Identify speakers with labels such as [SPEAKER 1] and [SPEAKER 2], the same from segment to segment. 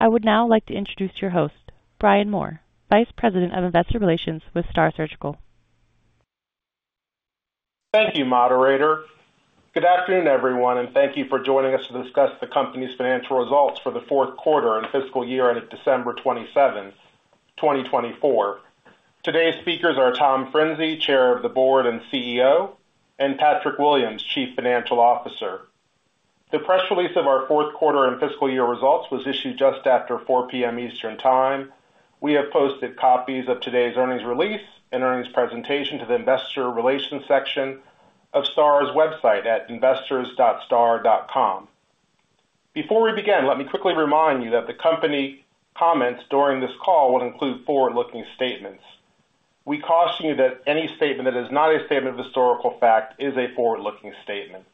[SPEAKER 1] I would now like to introduce your host, Brian Moore, Vice President of Investor Relations with STAAR Surgical.
[SPEAKER 2] Thank you, Operator. Good afternoon, everyone, and thank you for joining us to discuss the company's financial results for the fourth quarter and fiscal year ended December 27, 2024. Today's speakers are Tom Frinzi, Chair of the Board and CEO, and Patrick Williams, Chief Financial Officer. The press release of our fourth quarter and fiscal year results was issued just after 4:00 P.M. Eastern Time. We have posted copies of today's earnings release and earnings presentation to the Investor Relations section of STAAR's website at investors.staar.com. Before we begin, let me quickly remind you that the company's comments during this call will include forward-looking statements. We caution you that any statement that is not a statement of historical fact is a forward-looking statement.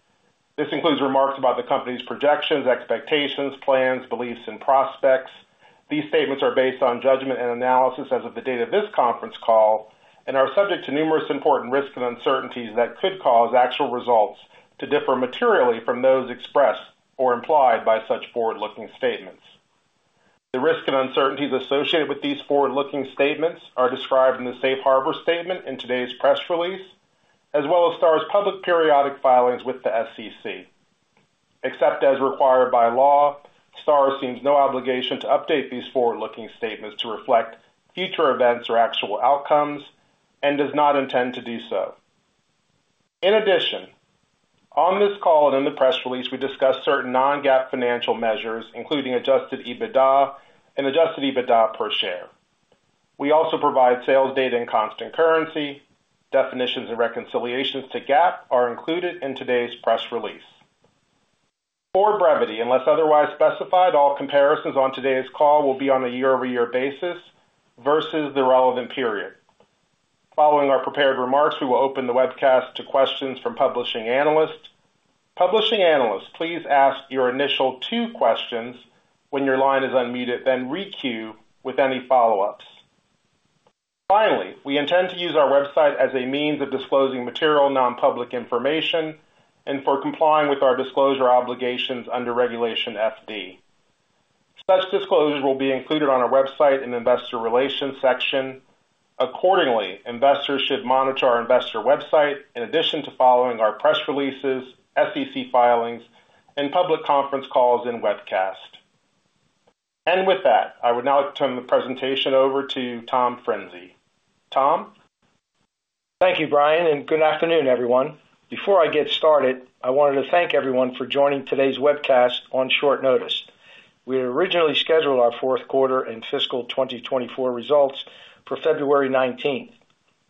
[SPEAKER 2] This includes remarks about the company's projections, expectations, plans, beliefs, and prospects. These statements are based on judgment and analysis as of the date of this conference call and are subject to numerous important risks and uncertainties that could cause actual results to differ materially from those expressed or implied by such forward-looking statements. The risks and uncertainties associated with these forward-looking statements are described in the Safe Harbor statement in today's press release, as well as STAAR's public periodic filings with the SEC. Except as required by law, STAAR assumes no obligation to update these forward-looking statements to reflect future events or actual outcomes and does not intend to do so. In addition, on this call and in the press release, we discuss certain non-GAAP financial measures, including adjusted EBITDA and adjusted EBITDA per share. We also provide sales data in constant currency. Definitions and reconciliations to GAAP are included in today's press release. For brevity, unless otherwise specified, all comparisons on today's call will be on a year-over-year basis versus the relevant period. Following our prepared remarks, we will open the webcast to questions from publishing analysts. Publishing analysts, please ask your initial two questions when your line is unmuted, then re-queue with any follow-ups. Finally, we intend to use our website as a means of disclosing material non-public information and for complying with our disclosure obligations under Regulation FD. Such disclosures will be included on our website in the Investor Relations section. Accordingly, investors should monitor our investor website in addition to following our press releases, SEC filings, and public conference calls and webcasts. And with that, I would now turn the presentation over to Tom Frinzi. Tom?
[SPEAKER 3] Thank you, Brian, and good afternoon, everyone. Before I get started, I wanted to thank everyone for joining today's webcast on short notice. We originally scheduled our fourth quarter and fiscal 2024 results for February 19th,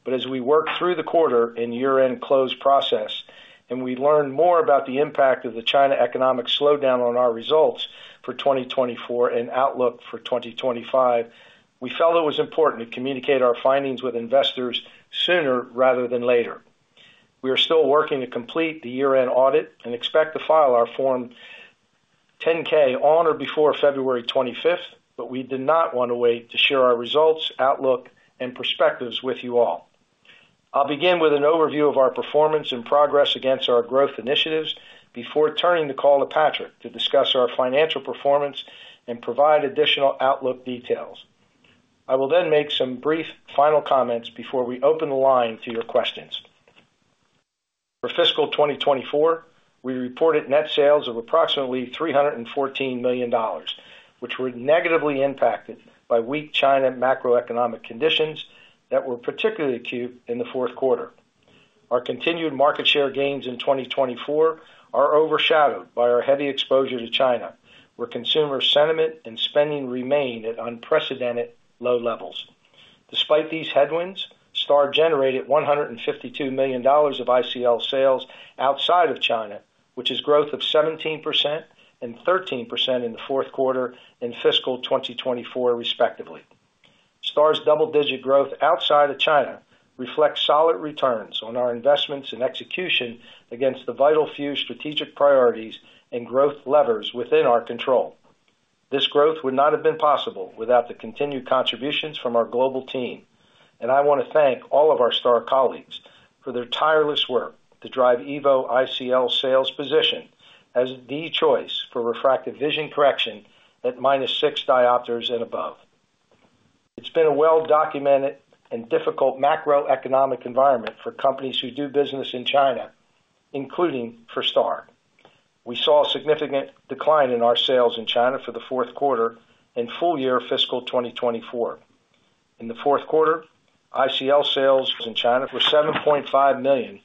[SPEAKER 3] but as we worked through the quarter and year-end close process and we learned more about the impact of the China economic slowdown on our results for 2024 and outlook for 2025, we felt it was important to communicate our findings with investors sooner rather than later. We are still working to complete the year-end audit and expect to file our Form 10-K on or before February 25th, but we did not want to wait to share our results, outlook, and perspectives with you all. I'll begin with an overview of our performance and progress against our growth initiatives before turning the call to Patrick to discuss our financial performance and provide additional outlook details. I will then make some brief final comments before we open the line to your questions. For fiscal 2024, we reported net sales of approximately $314 million, which were negatively impacted by weak China macroeconomic conditions that were particularly acute in the fourth quarter. Our continued market share gains in 2024 are overshadowed by our heavy exposure to China, where consumer sentiment and spending remain at unprecedented low levels. Despite these headwinds, STAAR generated $152 million of ICL sales outside of China, which is growth of 17% and 13% in the fourth quarter and fiscal 2024, respectively. STAAR's double-digit growth outside of China reflects solid returns on our investments and execution against the vital few strategic priorities and growth levers within our control. This growth would not have been possible without the continued contributions from our global team, and I want to thank all of our STAAR colleagues for their tireless work to drive EVO ICL sales position as the choice for refractive vision correction at minus six diopters and above. It's been a well-documented and difficult macroeconomic environment for companies who do business in China, including for STAAR. We saw a significant decline in our sales in China for the fourth quarter and full year fiscal 2024. In the fourth quarter, ICL sales in China were $7.5 million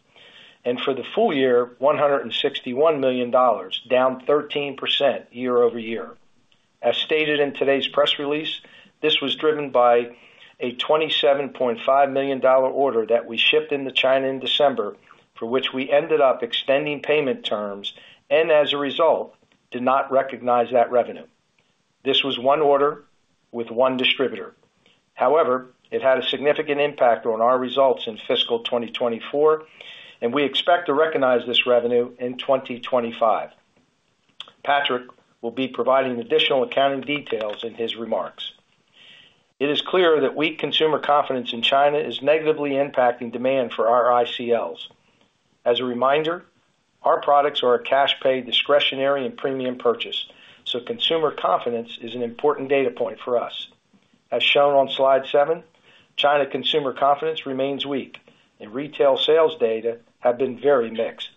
[SPEAKER 3] and for the full year, $161 million, down 13% year-over-year. As stated in today's press release, this was driven by a $27.5 million order that we shipped into China in December, for which we ended up extending payment terms and, as a result, did not recognize that revenue. This was one order with one distributor. However, it had a significant impact on our results in fiscal 2024, and we expect to recognize this revenue in 2025. Patrick will be providing additional accounting details in his remarks. It is clear that weak consumer confidence in China is negatively impacting demand for our ICLs. As a reminder, our products are a cash-pay discretionary and premium purchase, so consumer confidence is an important data point for us. As shown on Slide 7, China consumer confidence remains weak, and retail sales data have been very mixed.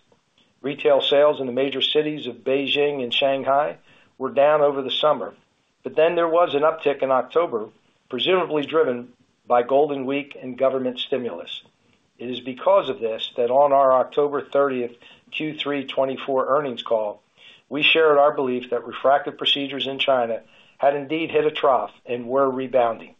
[SPEAKER 3] Retail sales in the major cities of Beijing and Shanghai were down over the summer, but then there was an uptick in October, presumably driven by Golden Week and government stimulus. It is because of this that on our October 30th Q3 2024 earnings call, we shared our belief that refractive procedures in China had indeed hit a trough and were rebounding.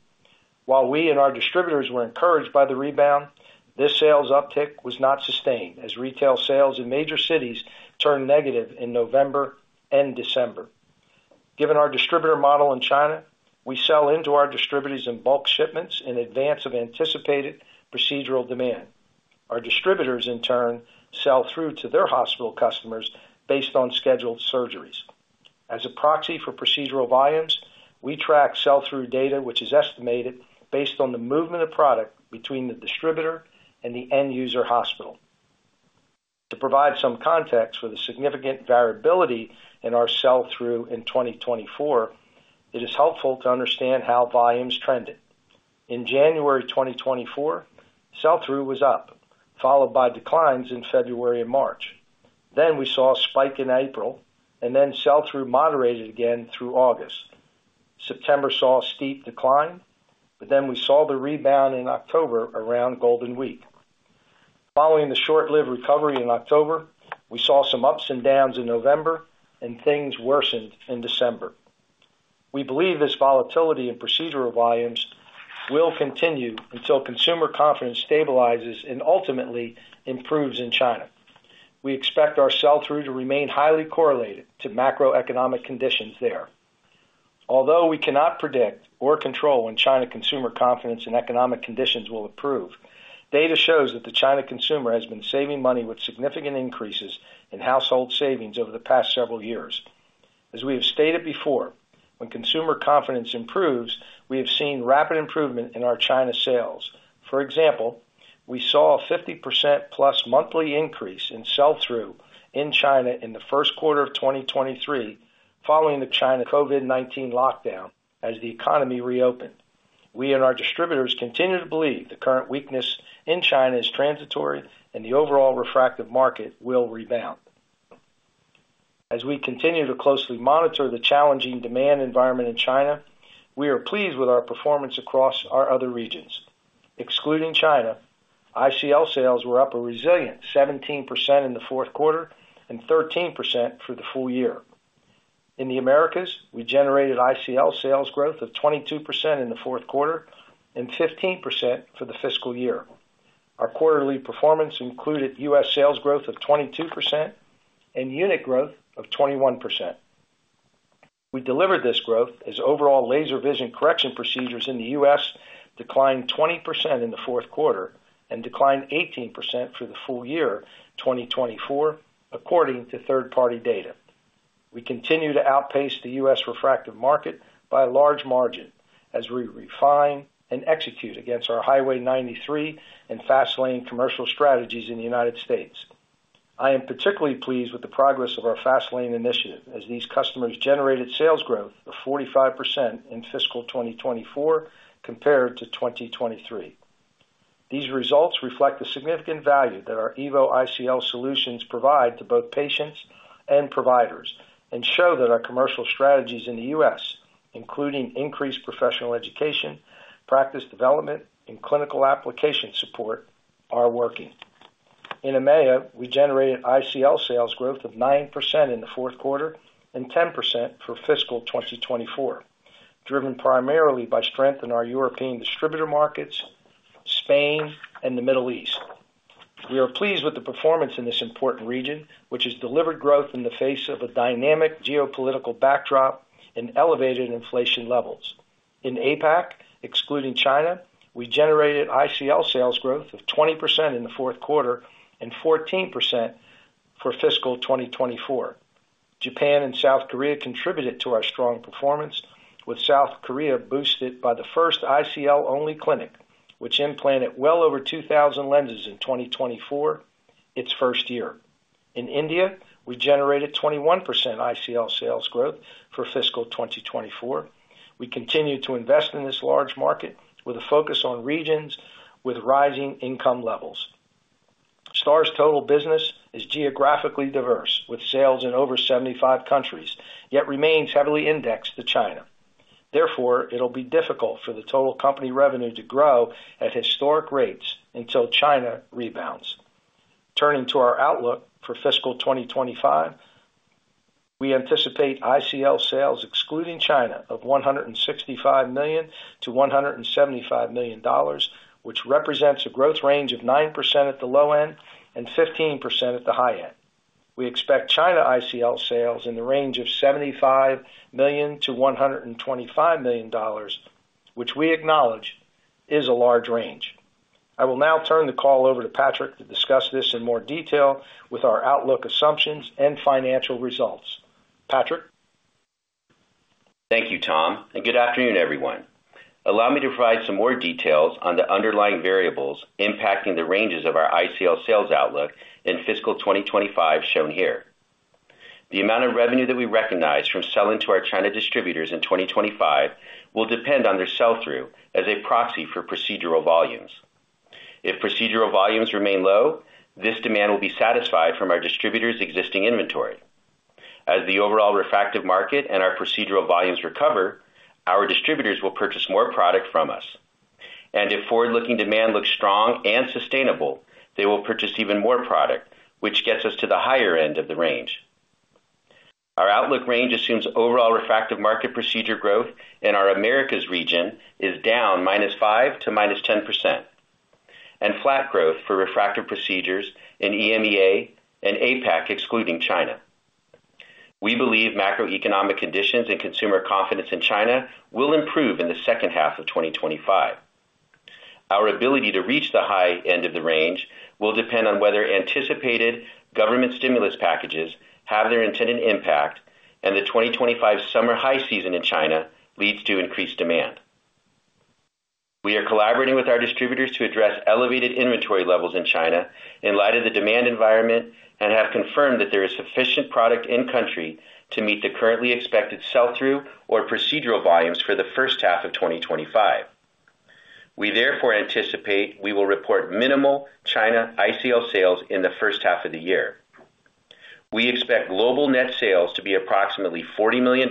[SPEAKER 3] While we and our distributors were encouraged by the rebound, this sales uptick was not sustained as retail sales in major cities turned negative in November and December. Given our distributor model in China, we sell into our distributors in bulk shipments in advance of anticipated procedural demand. Our distributors, in turn, sell through to their hospital customers based on scheduled surgeries. As a proxy for procedural volumes, we track sell-through data, which is estimated based on the movement of product between the distributor and the end user hospital. To provide some context for the significant variability in our sell-through in 2024, it is helpful to understand how volumes trended. In January 2024, sell-through was up, followed by declines in February and March. Then we saw a spike in April, and then sell-through moderated again through August. September saw a steep decline, but then we saw the rebound in October around Golden Week. Following the short-lived recovery in October, we saw some ups and downs in November, and things worsened in December. We believe this volatility in procedural volumes will continue until consumer confidence stabilizes and ultimately improves in China. We expect our sell-through to remain highly correlated to macroeconomic conditions there. Although we cannot predict or control when China consumer confidence and economic conditions will improve, data shows that the China consumer has been saving money with significant increases in household savings over the past several years. As we have stated before, when consumer confidence improves, we have seen rapid improvement in our China sales. For example, we saw a 50% plus monthly increase in sell-through in China in the first quarter of 2023 following the China COVID-19 lockdown as the economy reopened. We and our distributors continue to believe the current weakness in China is transitory and the overall refractive market will rebound. As we continue to closely monitor the challenging demand environment in China, we are pleased with our performance across our other regions. Excluding China, ICL sales were up a resilient 17% in the fourth quarter and 13% for the full year. In the Americas, we generated ICL sales growth of 22% in the fourth quarter and 15% for the fiscal year. Our quarterly performance included U.S. sales growth of 22% and unit growth of 21%. We delivered this growth as overall laser vision correction procedures in the U.S. declined 20% in the fourth quarter and declined 18% for the full year 2024, according to third-party data. We continue to outpace the U.S. refractive market by a large margin as we refine and execute against our Highway 93 and Fast Lane commercial strategies in the United States. I am particularly pleased with the progress of our Fast Lane initiative as these customers generated sales growth of 45% in fiscal 2024 compared to 2023. These results reflect the significant value that our EVO ICL solutions provide to both patients and providers and show that our commercial strategies in the U.S., including increased professional education, practice development, and clinical application support, are working. In EMEA, we generated ICL sales growth of 9% in the fourth quarter and 10% for fiscal 2024, driven primarily by strength in our European distributor markets, Spain, and the Middle East. We are pleased with the performance in this important region, which has delivered growth in the face of a dynamic geopolitical backdrop and elevated inflation levels. In APAC, excluding China, we generated ICL sales growth of 20% in the fourth quarter and 14% for fiscal 2024. Japan and South Korea contributed to our strong performance, with South Korea boosted by the first ICL-only clinic, which implanted well over 2,000 lenses in 2024, its first year. In India, we generated 21% ICL sales growth for fiscal 2024. We continue to invest in this large market with a focus on regions with rising income levels. STAAR's total business is geographically diverse with sales in over 75 countries, yet remains heavily indexed to China. Therefore, it'll be difficult for the total company revenue to grow at historic rates until China rebounds. Turning to our outlook for fiscal 2025, we anticipate ICL sales excluding China of $165 million-$175 million, which represents a growth range of 9% at the low end and 15% at the high end. We expect China ICL sales in the range of $75 million-$125 million, which we acknowledge is a large range. I will now turn the call over to Patrick to discuss this in more detail with our outlook assumptions and financial results. Patrick?
[SPEAKER 4] Thank you, Tom, and good afternoon, everyone. Allow me to provide some more details on the underlying variables impacting the ranges of our ICL sales outlook in fiscal 2025 shown here. The amount of revenue that we recognize from selling to our China distributors in 2025 will depend on their sell-through as a proxy for procedural volumes. If procedural volumes remain low, this demand will be satisfied from our distributors' existing inventory. As the overall refractive market and our procedural volumes recover, our distributors will purchase more product from us. And if forward-looking demand looks strong and sustainable, they will purchase even more product, which gets us to the higher end of the range. Our outlook range assumes overall refractive market procedure growth in our Americas region is down -5% to -10%, and flat growth for refractive procedures in EMEA and APAC excluding China. We believe macroeconomic conditions and consumer confidence in China will improve in the second half of 2025. Our ability to reach the high end of the range will depend on whether anticipated government stimulus packages have their intended impact and the 2025 summer high season in China leads to increased demand. We are collaborating with our distributors to address elevated inventory levels in China in light of the demand environment and have confirmed that there is sufficient product in-country to meet the currently expected sell-through or procedural volumes for the first half of 2025. We therefore anticipate we will report minimal China ICL sales in the first half of the year. We expect global net sales to be approximately $40 million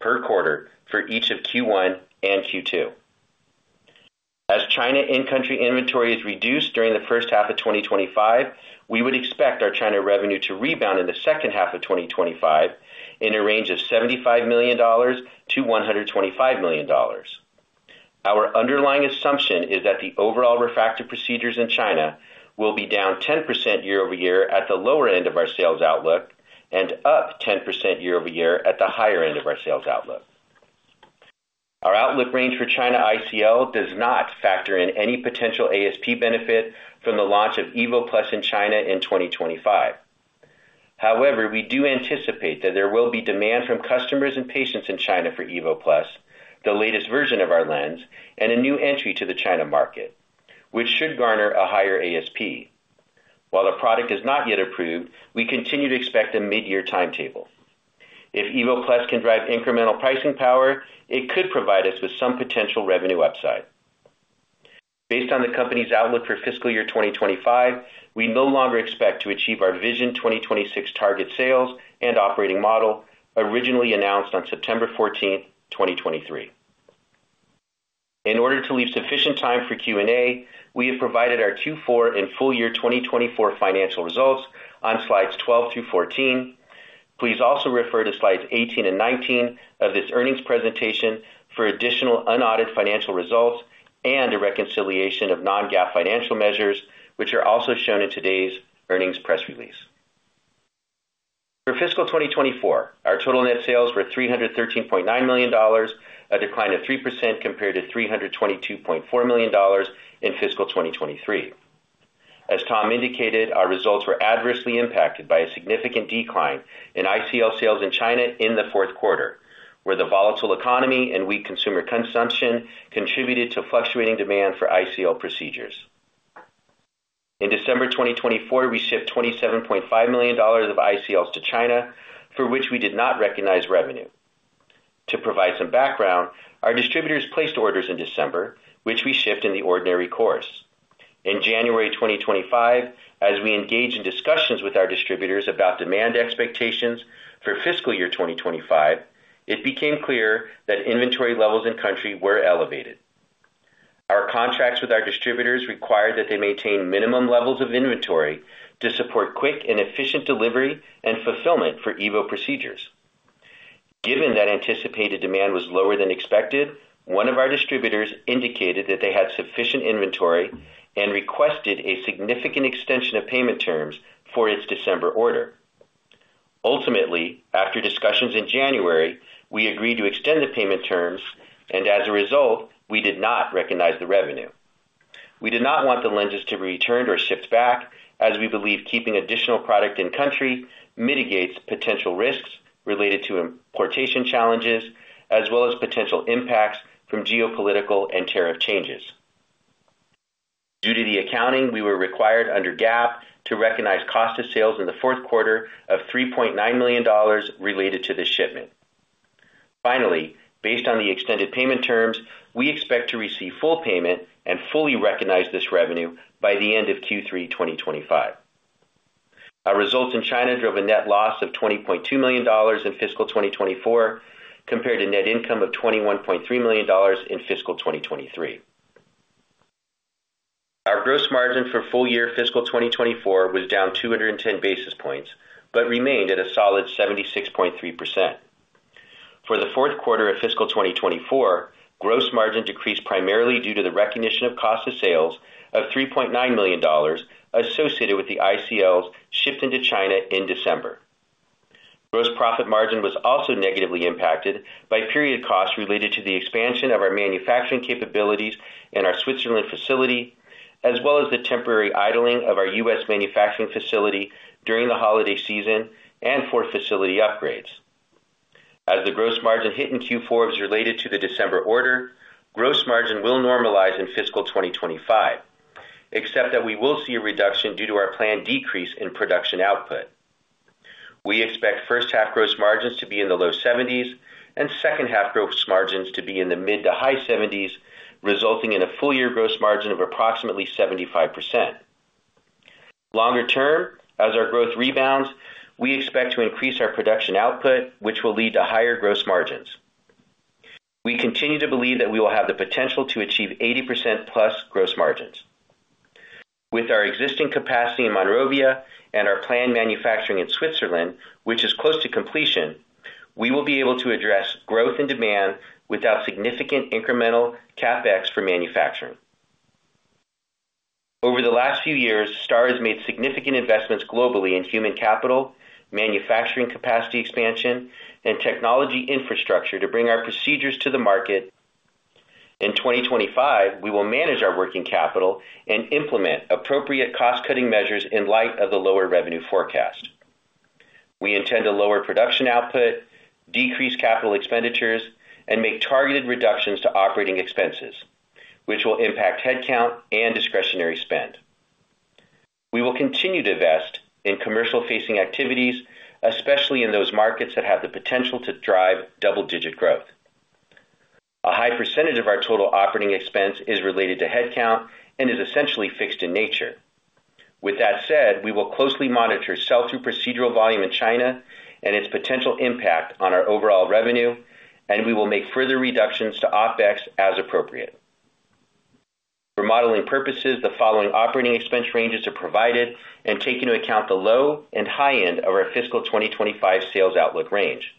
[SPEAKER 4] per quarter for each of Q1 and Q2. As China in-country inventory is reduced during the first half of 2025, we would expect our China revenue to rebound in the second half of 2025 in a range of $75 million-$125 million. Our underlying assumption is that the overall refractive procedures in China will be down 10% year-over-year at the lower end of our sales outlook and up 10% year-over-year at the higher end of our sales outlook. Our outlook range for China ICL does not factor in any potential ASP benefit from the launch of EVO+ in China in 2025. However, we do anticipate that there will be demand from customers and patients in China for EVO+, the latest version of our lens, and a new entry to the China market, which should garner a higher ASP. While the product is not yet approved, we continue to expect a mid-year timetable. If EVO+ can drive incremental pricing power, it could provide us with some potential revenue upside. Based on the company's outlook for fiscal year 2025, we no longer expect to achieve our Vision 2026 Target Sales and Operating Model originally announced on September 14th, 2023. In order to leave sufficient time for Q&A, we have provided our Q4 and full year 2024 financial results on Slides 12-14. Please also refer to Slides 18 and 19 of this earnings presentation for additional unaudited financial results and a reconciliation of non-GAAP financial measures, which are also shown in today's earnings press release. For fiscal 2024, our total net sales were $313.9 million, a decline of 3% compared to $322.4 million in fiscal 2023. As Tom indicated, our results were adversely impacted by a significant decline in ICL sales in China in the fourth quarter, where the volatile economy and weak consumer consumption contributed to fluctuating demand for ICL procedures. In December 2024, we shipped $27.5 million of ICLs to China, for which we did not recognize revenue. To provide some background, our distributors placed orders in December, which we shipped in the ordinary course. In January 2025, as we engaged in discussions with our distributors about demand expectations for fiscal year 2025, it became clear that inventory levels in country were elevated. Our contracts with our distributors required that they maintain minimum levels of inventory to support quick and efficient delivery and fulfillment for EVO procedures. Given that anticipated demand was lower than expected, one of our distributors indicated that they had sufficient inventory and requested a significant extension of payment terms for its December order. Ultimately, after discussions in January, we agreed to extend the payment terms, and as a result, we did not recognize the revenue. We did not want the lenses to be returned or shipped back, as we believe keeping additional product in country mitigates potential risks related to importation challenges, as well as potential impacts from geopolitical and tariff changes. Due to the accounting, we were required under GAAP to recognize cost of sales in the fourth quarter of $3.9 million related to this shipment. Finally, based on the extended payment terms, we expect to receive full payment and fully recognize this revenue by the end of Q3 2025. Our results in China drove a net loss of $20.2 million in fiscal 2024 compared to net income of $21.3 million in fiscal 2023. Our gross margin for full year fiscal 2024 was down 210 basis points but remained at a solid 76.3%. For the fourth quarter of fiscal 2024, gross margin decreased primarily due to the recognition of cost of sales of $3.9 million associated with the ICLs shipped into China in December. Gross profit margin was also negatively impacted by period costs related to the expansion of our manufacturing capabilities in our Switzerland facility, as well as the temporary idling of our U.S. manufacturing facility during the holiday season and for facility upgrades. As the gross margin hit in Q4 is related to the December order, gross margin will normalize in fiscal 2025, except that we will see a reduction due to our planned decrease in production output. We expect first half gross margins to be in the low 70s% and second half gross margins to be in the mid- to high 70s%, resulting in a full year gross margin of approximately 75%. Longer term, as our growth rebounds, we expect to increase our production output, which will lead to higher gross margins. We continue to believe that we will have the potential to achieve 80% plus gross margins. With our existing capacity in Monrovia and our planned manufacturing in Switzerland, which is close to completion, we will be able to address growth in demand without significant incremental CapEx for manufacturing. Over the last few years, STAAR has made significant investments globally in human capital, manufacturing capacity expansion, and technology infrastructure to bring our procedures to the market. In 2025, we will manage our working capital and implement appropriate cost-cutting measures in light of the lower revenue forecast. We intend to lower production output, decrease capital expenditures, and make targeted reductions to operating expenses, which will impact headcount and discretionary spend. We will continue to invest in commercial-facing activities, especially in those markets that have the potential to drive double-digit growth. A high percentage of our total operating expense is related to headcount and is essentially fixed in nature. With that said, we will closely monitor sell-through procedural volume in China and its potential impact on our overall revenue, and we will make further reductions to OpEx as appropriate. For modeling purposes, the following operating expense ranges are provided and take into account the low and high end of our fiscal 2025 sales outlook range.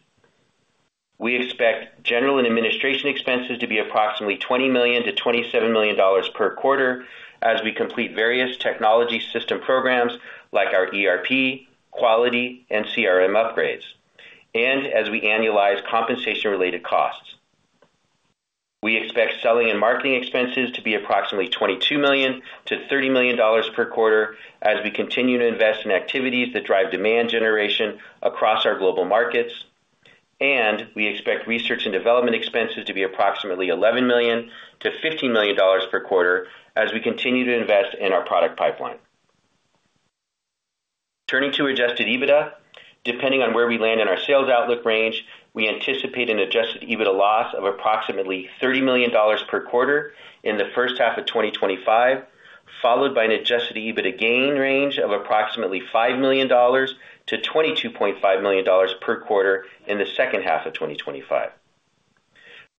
[SPEAKER 4] We expect general and administrative expenses to be approximately $20 million-$27 million per quarter as we complete various technology system programs like our ERP, quality, and CRM upgrades, and as we annualize compensation-related costs. We expect selling and marketing expenses to be approximately $22 million-$30 million per quarter as we continue to invest in activities that drive demand generation across our global markets, and we expect research and development expenses to be approximately $11 million-$15 million per quarter as we continue to invest in our product pipeline. Turning to adjusted EBITDA, depending on where we land in our sales outlook range, we anticipate an adjusted EBITDA loss of approximately $30 million per quarter in the first half of 2025, followed by an adjusted EBITDA gain range of approximately $5 million to $22.5 million per quarter in the second half of 2025,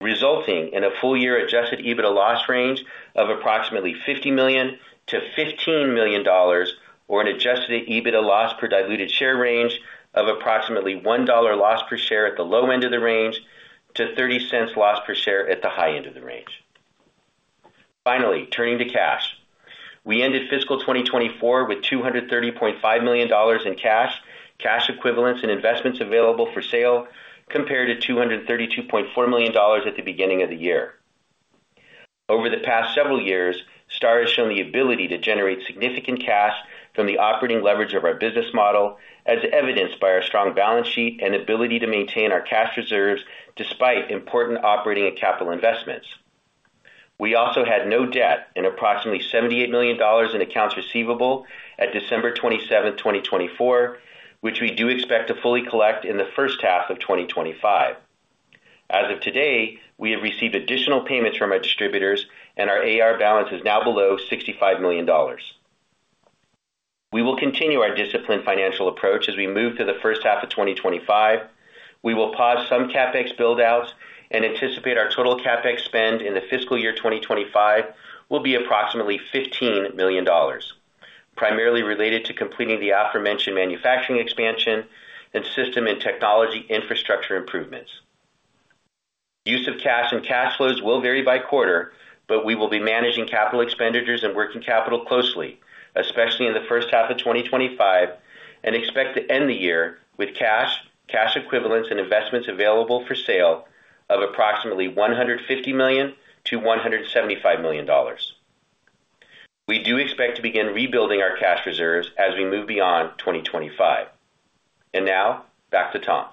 [SPEAKER 4] resulting in a full year adjusted EBITDA loss range of approximately $50 million to $15 million, or an adjusted EBITDA loss per diluted share range of approximately $1 loss per share at the low end of the range to $0.30 loss per share at the high end of the range. Finally, turning to cash, we ended fiscal 2024 with $230.5 million in cash, cash equivalents, and investments available for sale compared to $232.4 million at the beginning of the year. Over the past several years, STAAR has shown the ability to generate significant cash from the operating leverage of our business model, as evidenced by our strong balance sheet and ability to maintain our cash reserves despite important operating and capital investments. We also had no debt and approximately $78 million in accounts receivable at December 27, 2024, which we do expect to fully collect in the first half of 2025. As of today, we have received additional payments from our distributors, and our AR balance is now below $65 million. We will continue our disciplined financial approach as we move to the first half of 2025. We will pause some CapEx buildouts and anticipate our total CapEx spend in the fiscal year 2025 will be approximately $15 million, primarily related to completing the aforementioned manufacturing expansion and system and technology infrastructure improvements. Use of cash and cash flows will vary by quarter, but we will be managing capital expenditures and working capital closely, especially in the first half of 2025, and expect to end the year with cash, cash equivalents, and investments available for sale of approximately $150 million-$175 million. We do expect to begin rebuilding our cash reserves as we move beyond 2025. And now, back to Tom.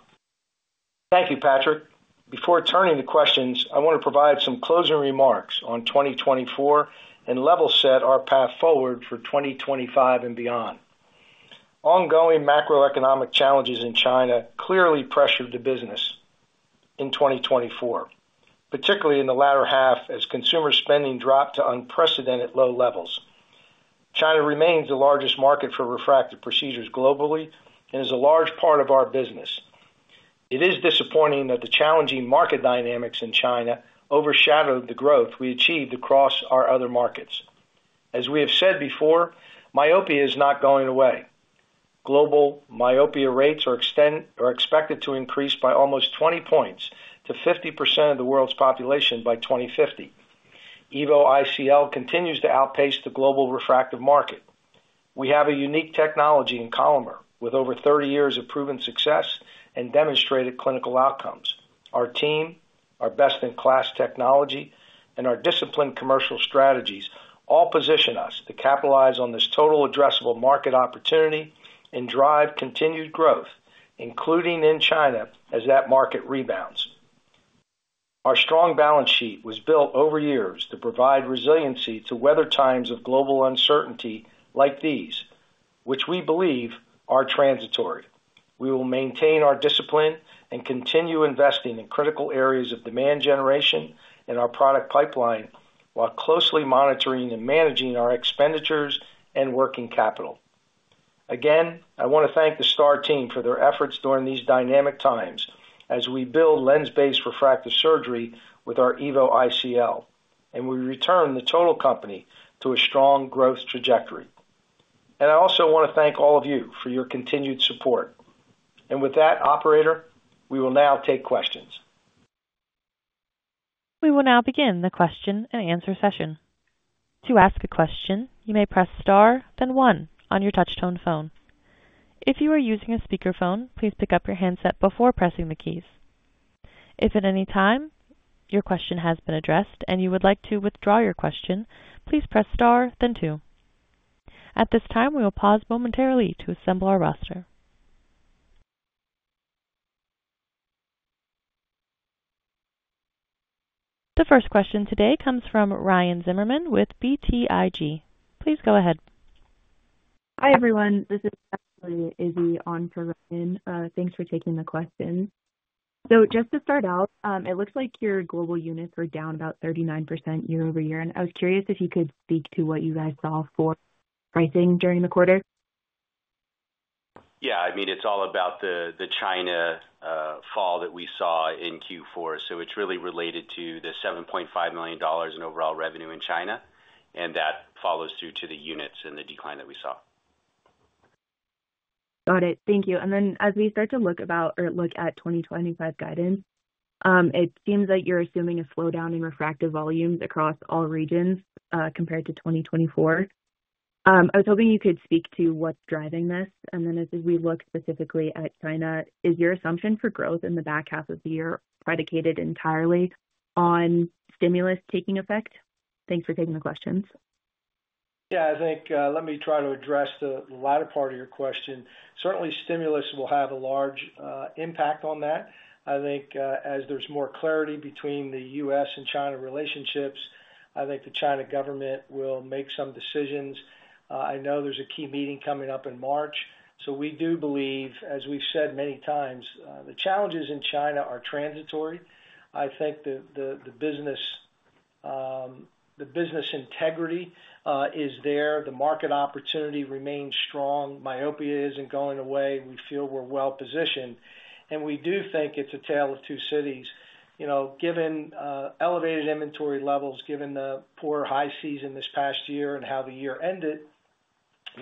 [SPEAKER 3] Thank you, Patrick. Before turning to questions, I want to provide some closing remarks on 2024 and level set our path forward for 2025 and beyond. Ongoing macroeconomic challenges in China clearly pressured the business in 2024, particularly in the latter half as consumer spending dropped to unprecedented low levels. China remains the largest market for refractive procedures globally and is a large part of our business. It is disappointing that the challenging market dynamics in China overshadowed the growth we achieved across our other markets. As we have said before, myopia is not going away. Global myopia rates are expected to increase by almost 20 points to 50% of the world's population by 2050. EVO ICL continues to outpace the global refractive market. We have a unique technology in Collamer with over 30 years of proven success and demonstrated clinical outcomes. Our team, our best-in-class technology, and our disciplined commercial strategies all position us to capitalize on this total addressable market opportunity and drive continued growth, including in China as that market rebounds. Our strong balance sheet was built over years to provide resiliency to weather times of global uncertainty like these, which we believe are transitory. We will maintain our discipline and continue investing in critical areas of demand generation in our product pipeline while closely monitoring and managing our expenditures and working capital. Again, I want to thank the STAAR team for their efforts during these dynamic times as we build lens-based refractive surgery with our EVO ICL and we return the total company to a strong growth trajectory. And I also want to thank all of you for your continued support. And with that, Operator, we will now take questions.
[SPEAKER 1] We will now begin the question and answer session. To ask a question, you may press star, then 1 on your touch-tone phone. If you are using a speakerphone, please pick up your handset before pressing the keys. If at any time your question has been addressed and you would like to withdraw your question, please press star, then 2. At this time, we will pause momentarily to assemble our roster. The first question today comes from Ryan Zimmerman with BTIG. Please go ahead.
[SPEAKER 5] Hi everyone. This is Iseult on for Ryan. Thanks for taking the question. So just to start out, it looks like your global units were down about 39% year over year, and I was curious if you could speak to what you guys saw for pricing during the quarter.
[SPEAKER 4] Yeah, I mean, it's all about the China fall that we saw in Q4. So it's really related to the $7.5 million in overall revenue in China, and that follows through to the units and the decline that we saw.
[SPEAKER 5] Got it. Thank you. And then as we start to look at 2025 guidance, it seems like you're assuming a slowdown in refractive volumes across all regions compared to 2024. I was hoping you could speak to what's driving this. And then as we look specifically at China, is your assumption for growth in the back half of the year predicated entirely on stimulus taking effect? Thanks for taking the questions.
[SPEAKER 3] Yeah, I think let me try to address the latter part of your question. Certainly, stimulus will have a large impact on that. I think as there's more clarity between the U.S. and China relationships, I think the China government will make some decisions. I know there's a key meeting coming up in March. So we do believe, as we've said many times, the challenges in China are transitory. I think the business integrity is there. The market opportunity remains strong. Myopia isn't going away. We feel we're well positioned. And we do think it's a tale of two cities. Given elevated inventory levels, given the poor high season this past year and how the year ended,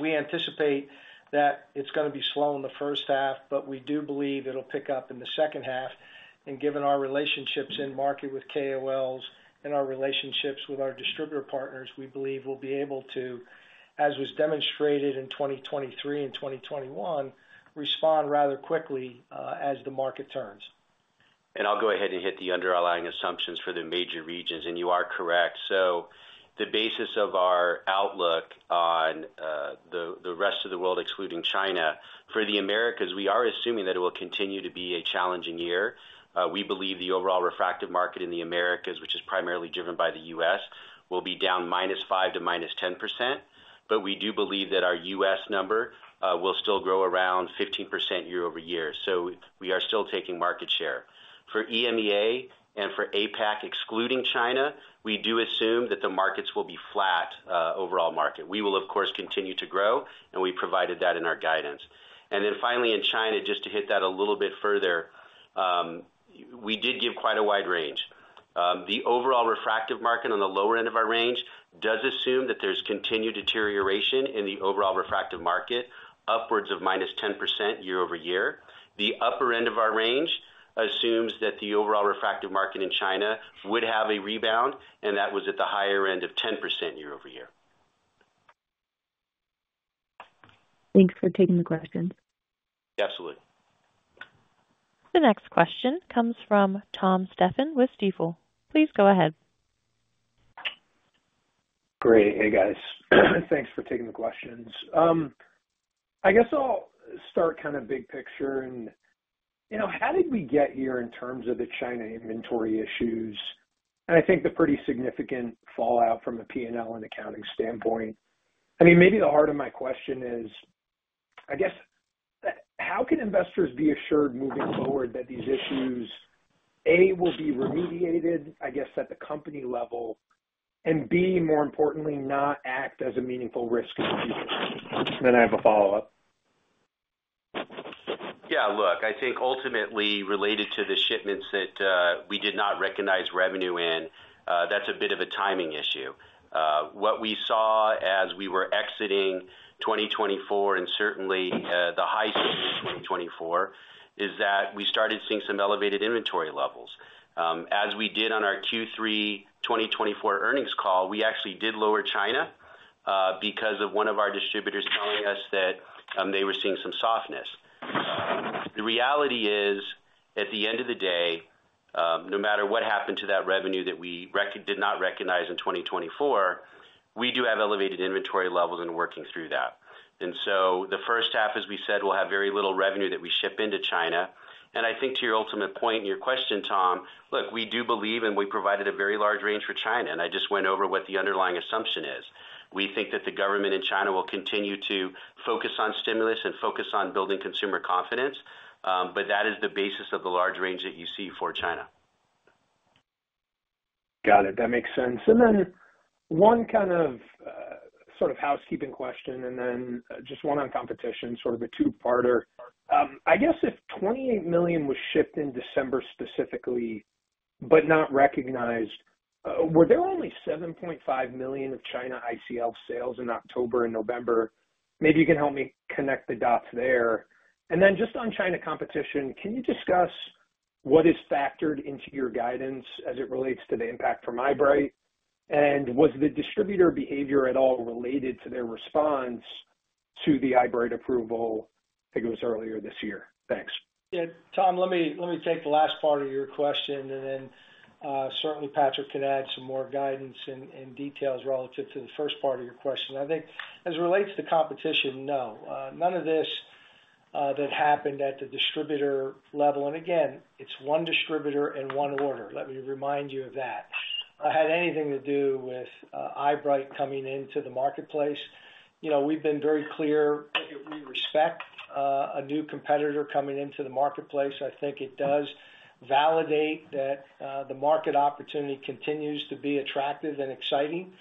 [SPEAKER 3] we anticipate that it's going to be slow in the first half, but we do believe it'll pick up in the second half. And given our relationships in market with KOLs and our relationships with our distributor partners, we believe we'll be able to, as was demonstrated in 2023 and 2021, respond rather quickly as the market turns.
[SPEAKER 4] And I'll go ahead and hit the underlying assumptions for the major regions, and you are correct. So the basis of our outlook on the rest of the world, excluding China, for the Americas, we are assuming that it will continue to be a challenging year. We believe the overall refractive market in the Americas, which is primarily driven by the U.S., will be down -5% to -10%. But we do believe that our U.S. number will still grow around 15% year over year. So we are still taking market share. For EMEA and for APAC, excluding China, we do assume that the markets will be flat overall market. We will, of course, continue to grow, and we provided that in our guidance. And then finally, in China, just to hit that a little bit further, we did give quite a wide range. The overall refractive market on the lower end of our range does assume that there's continued deterioration in the overall refractive market upwards of -10% year over year. The upper end of our range assumes that the overall refractive market in China would have a rebound, and that was at the higher end of 10% year over year.
[SPEAKER 5] Thanks for taking the questions.
[SPEAKER 1] Absolutely. The next question comes from Tom Stephan with Stifel. Please go ahead.
[SPEAKER 6] Great. Hey, guys. Thanks for taking the questions. I guess I'll start kind of big picture. And how did we get here in terms of the China inventory issues? And I think the pretty significant fallout from a P&L and accounting standpoint. I mean, maybe the heart of my question is, I guess, how can investors be assured moving forward that these issues, A, will be remediated, I guess, at the company level, and B, more importantly, not act as a meaningful risk? And then I have a follow-up.
[SPEAKER 4] Yeah, look, I think ultimately, related to the shipments that we did not recognize revenue in, that's a bit of a timing issue. What we saw as we were exiting 2024, and certainly the high season of 2024, is that we started seeing some elevated inventory levels. As we did on our Q3 2024 earnings call, we actually did lower China because of one of our distributors telling us that they were seeing some softness. The reality is, at the end of the day, no matter what happened to that revenue that we did not recognize in 2024, we do have elevated inventory levels and working through that, and so the first half, as we said, we'll have very little revenue that we ship into China, and I think to your ultimate point in your question, Tom, look, we do believe, and we provided a very large range for China, and I just went over what the underlying assumption is. We think that the government in China will continue to focus on stimulus and focus on building consumer confidence, but that is the basis of the large range that you see for China.
[SPEAKER 6] Got it. That makes sense. And then one kind of sort of housekeeping question, and then just one on competition, sort of a two-parter. I guess if $28 million was shipped in December specifically, but not recognized, were there only $7.5 million of China ICL sales in October and November? Maybe you can help me connect the dots there. And then just on China competition, can you discuss what is factored into your guidance as it relates to the impact from Eyebright? And was the distributor behavior at all related to their response to the Eyebright approval? I think it was earlier this year.
[SPEAKER 3] Thanks. Yeah. Tom, let me take the last part of your question, and then certainly Patrick can add some more guidance and details relative to the first part of your question. I think as it relates to competition, no. None of this that happened at the distributor level, and again, it's one distributor and one order. Let me remind you of that. None of it had anything to do with Eyebright coming into the marketplace. We've been very clear that we respect a new competitor coming into the marketplace. I think it does validate that the market opportunity continues to be attractive and exciting.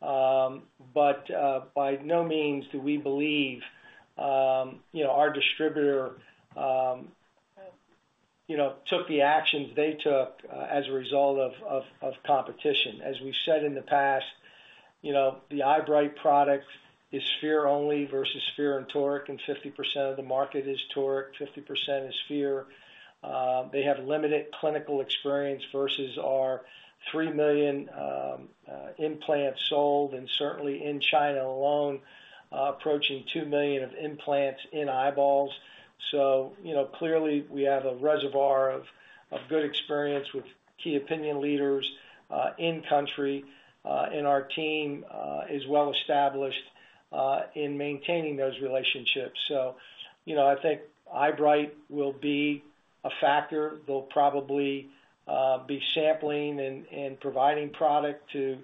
[SPEAKER 3] But by no means do we believe our distributor took the actions they took as a result of competition. As we said in the past, the Eyebright product is sphere only versus sphere and toric, and 50% of the market is toric, 50% is sphere. They have limited clinical experience versus our 3 million implants sold, and certainly in China alone, approaching 2 million of implants in eyeballs. So clearly, we have a reservoir of good experience with key opinion leaders in country, and our team is well established in maintaining those relationships. So I think Eyebright will be a factor. They will probably be sampling and providing product to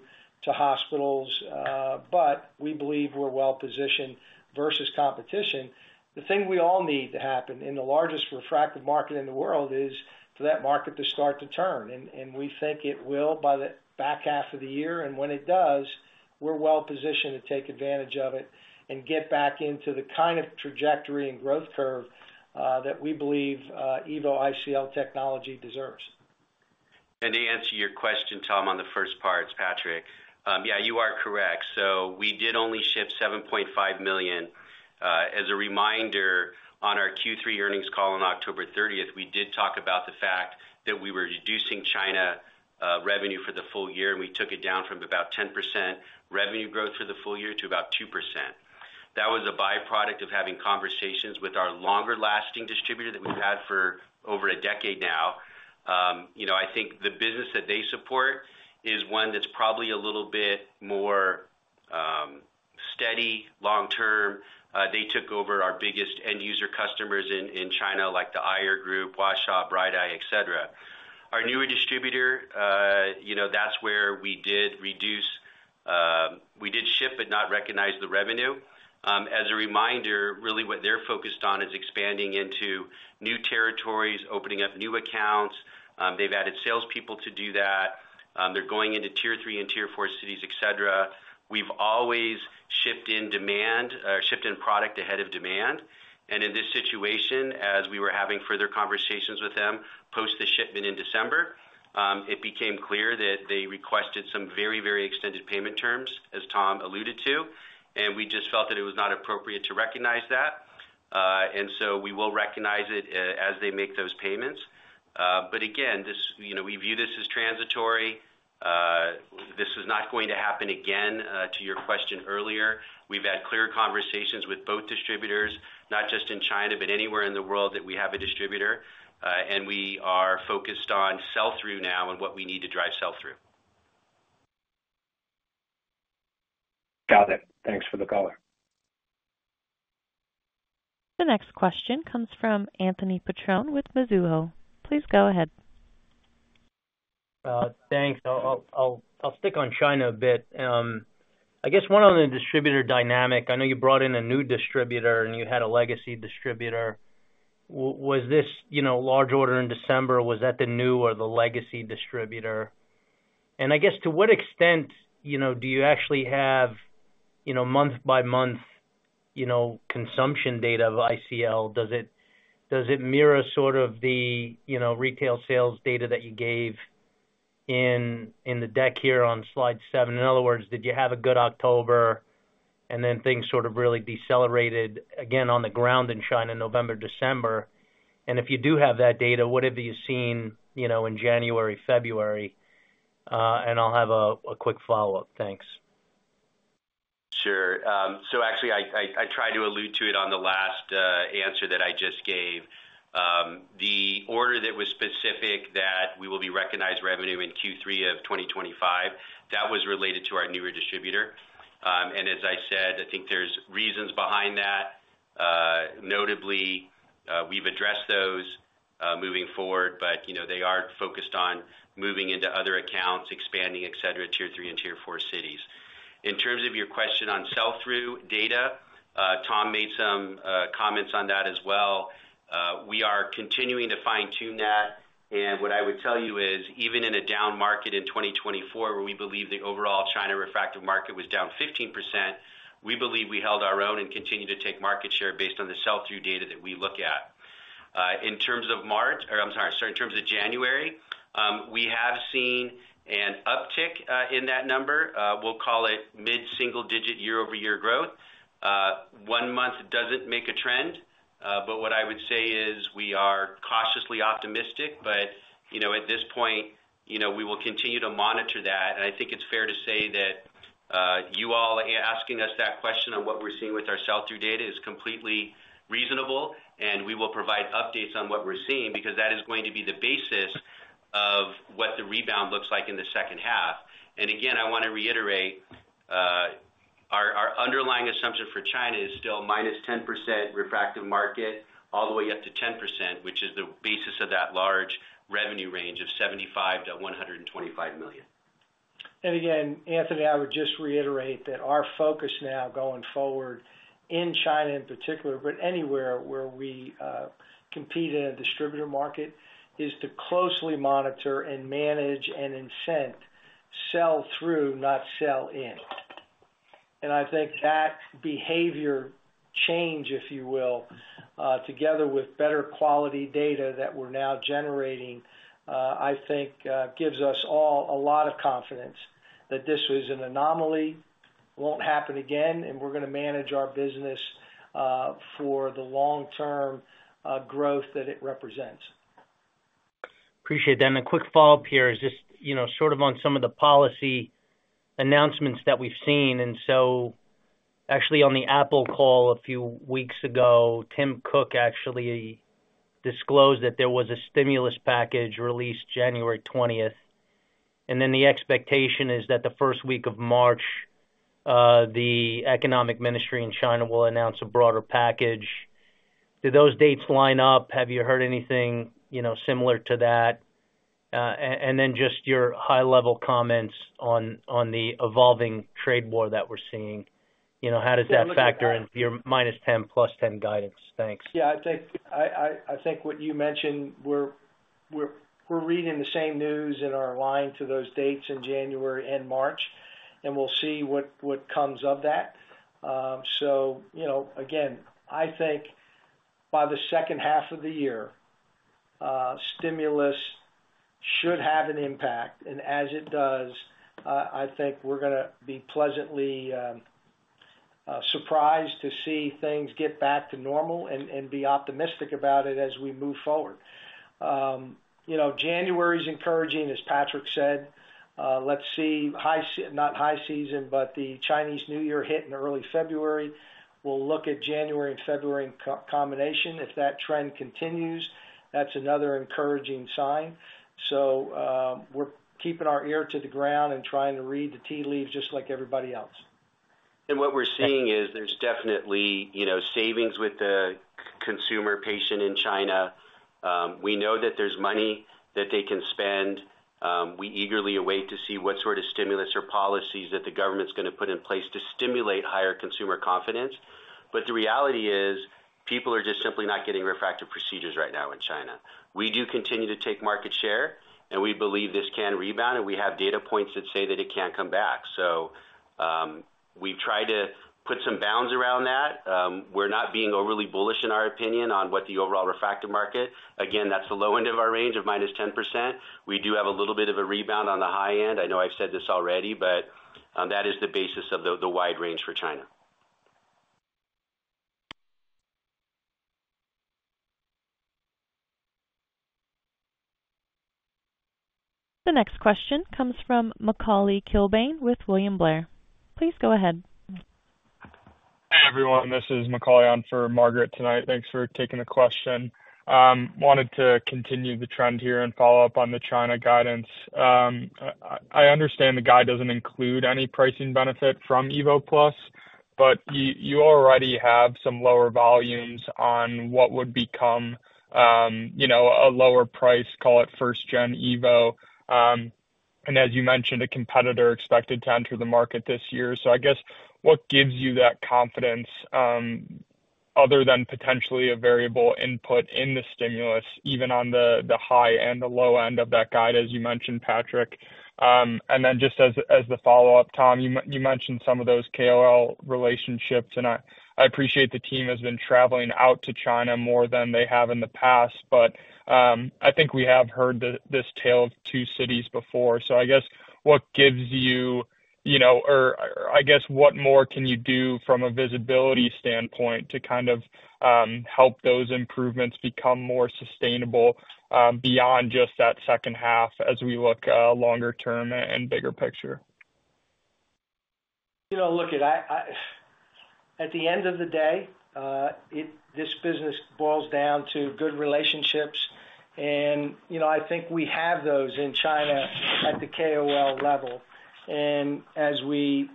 [SPEAKER 3] hospitals, but we believe we're well positioned versus competition. The thing we all need to happen in the largest refractive market in the world is for that market to start to turn. And we think it will by the back half of the year. And when it does, we're well positioned to take advantage of it and get back into the kind of trajectory and growth curve that we believe EVO ICL technology deserves.
[SPEAKER 4] And to answer your question, Tom, on the first part, Patrick, yeah, you are correct. So we did only ship 7.5 million. As a reminder, on our Q3 earnings call on October 30th, we did talk about the fact that we were reducing China revenue for the full year, and we took it down from about 10% revenue growth for the full year to about 2%. That was a byproduct of having conversations with our longer-lasting distributor that we've had for over a decade now. I think the business that they support is one that's probably a little bit more steady long-term. They took over our biggest end user customers in China, like the Aier Group, Huaxia, Bright Eye, etc. Our newer distributor, that's where we did reduce. We did ship but not recognize the revenue. As a reminder, really what they're focused on is expanding into new territories, opening up new accounts. They've added salespeople to do that. They're going into Tier 3 and Tier 4 cities, etc. We've always shipped in demand, shipped in product ahead of demand. And in this situation, as we were having further conversations with them post the shipment in December, it became clear that they requested some very, very extended payment terms, as Tom alluded to, and we just felt that it was not appropriate to recognize that. And so we will recognize it as they make those payments. But again, we view this as transitory. This is not going to happen again. To your question earlier, we've had clear conversations with both distributors, not just in China, but anywhere in the world that we have a distributor. And we are focused on sell-through now and what we need to drive sell-through.
[SPEAKER 6] Got it. Thanks for the color.
[SPEAKER 1] The next question comes from Anthony Petrone with Mizuho. Please go ahead.
[SPEAKER 7] Thanks. I'll stick on China a bit. I guess one on the distributor dynamic. I know you brought in a new distributor and you had a legacy distributor. Was this large order in December? Was that the new or the legacy distributor? And I guess to what extent do you actually have month-by-month consumption data of ICL? Does it mirror sort of the retail sales data that you gave in the deck here on Slide 7? In other words, did you have a good October and then things sort of really decelerated again on the ground in China, November, December? And if you do have that data, what have you seen in January, February? And I'll have a quick follow-up. Thanks.
[SPEAKER 4] Sure. So actually, I tried to allude to it on the last answer that I just gave. The order that was specific that we will be recognized revenue in Q3 of 2025, that was related to our newer distributor. And as I said, I think there's reasons behind that. Notably, we've addressed those moving forward, but they are focused on moving into other accounts, expanding, etc., Tier 3 and Tier 4 cities. In terms of your question on sell-through data, Tom made some comments on that as well. We are continuing to fine-tune that. And what I would tell you is, even in a down market in 2024, where we believe the overall China refractive market was down 15%, we believe we held our own and continue to take market share based on the sell-through data that we look at. In terms of March or I'm sorry, sorry, in terms of January, we have seen an uptick in that number. We'll call it mid-single-digit year-over-year growth. One month doesn't make a trend, but what I would say is we are cautiously optimistic, but at this point, we will continue to monitor that. And I think it's fair to say that you all asking us that question on what we're seeing with our sell-through data is completely reasonable, and we will provide updates on what we're seeing because that is going to be the basis of what the rebound looks like in the second half. And again, I want to reiterate, our underlying assumption for China is still -10% refractive market all the way up to 10%, which is the basis of that large revenue range of $75 million-$125 million.
[SPEAKER 3] And again, Anthony, I would just reiterate that our focus now going forward in China in particular, but anywhere where we compete in a distributor market, is to closely monitor and manage and incent sell-through, not sell-in. And I think that behavior change, if you will, together with better quality data that we're now generating, I think gives us all a lot of confidence that this was an anomaly, won't happen again, and we're going to manage our business for the long-term growth that it represents.
[SPEAKER 7] Appreciate that. And a quick follow-up here is just sort of on some of the policy announcements that we've seen. And so actually on the Apple call a few weeks ago, Tim Cook actually disclosed that there was a stimulus package released January 20th. Then the expectation is that the first week of March, the Economic Ministry in China will announce a broader package. Do those dates line up? Have you heard anything similar to that? And then just your high-level comments on the evolving trade war that we're seeing. How does that factor in your minus 10, plus 10 guidance? Thanks.
[SPEAKER 3] Yeah. I think what you mentioned, we're reading the same news and are aligned to those dates in January and March, and we'll see what comes of that. So again, I think by the second half of the year, stimulus should have an impact. And as it does, I think we're going to be pleasantly surprised to see things get back to normal and be optimistic about it as we move forward. January is encouraging, as Patrick said. Let's see, not high season, but the Chinese New Year hit in early February. We'll look at January and February in combination. If that trend continues, that's another encouraging sign, so we're keeping our ear to the ground and trying to read the tea leaves just like everybody else.
[SPEAKER 4] And what we're seeing is there's definitely savings with the consumer patient in China. We know that there's money that they can spend. We eagerly await to see what sort of stimulus or policies that the government's going to put in place to stimulate higher consumer confidence, but the reality is people are just simply not getting refractive procedures right now in China. We do continue to take market share, and we believe this can rebound, and we have data points that say that it can come back, so we've tried to put some bounds around that. We're not being overly bullish in our opinion on what the overall refractive market. Again, that's the low end of our range of -10%. We do have a little bit of a rebound on the high end. I know I've said this already, but that is the basis of the wide range for China.
[SPEAKER 1] The next question comes from Macauley Kilbane with William Blair. Please go ahead.
[SPEAKER 8] Hey, everyone. This is Macaulay on for Margaret tonight. Thanks for taking the question. Wanted to continue the trend here and follow up on the China guidance. I understand the guide doesn't include any pricing benefit from EVO+, but you already have some lower volumes on what would become a lower price, call it first-gen EVO. And as you mentioned, a competitor expected to enter the market this year. So I guess what gives you that confidence other than potentially a variable input in the stimulus, even on the high and the low end of that guide, as you mentioned, Patrick? And then just as the follow-up, Tom, you mentioned some of those KOL relationships, and I appreciate the team has been traveling out to China more than they have in the past, but I think we have heard this tale of two cities before. So I guess what gives you, or I guess what more can you do from a visibility standpoint to kind of help those improvements become more sustainable beyond just that second half as we look longer term and bigger picture?
[SPEAKER 4] Look at it. At the end of the day, this business boils down to good relationships. And I think we have those in China at the KOL level. As we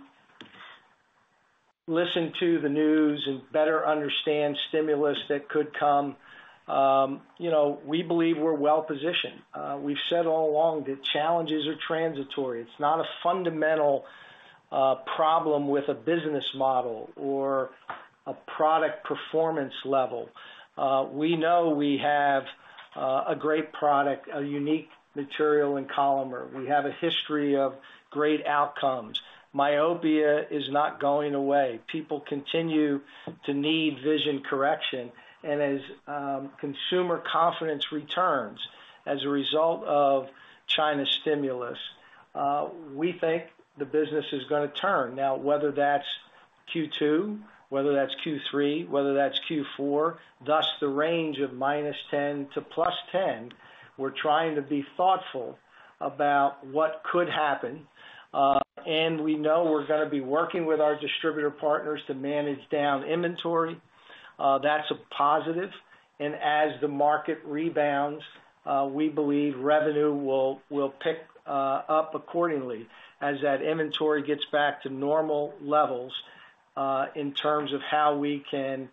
[SPEAKER 4] listen to the news and better understand stimulus that could come, we believe we're well positioned. We've said all along that challenges are transitory. It's not a fundamental problem with a business model or a product performance level. We know we have a great product, a unique material and Collamer. We have a history of great outcomes. Myopia is not going away. People continue to need vision correction. And as consumer confidence returns as a result of China's stimulus, we think the business is going to turn. Now, whether that's Q2, whether that's Q3, whether that's Q4, that's the range of -10 to +10, we're trying to be thoughtful about what could happen. And we know we're going to be working with our distributor partners to manage down inventory. That's a positive. As the market rebounds, we believe revenue will pick up accordingly as that inventory gets back to normal levels in terms of how we can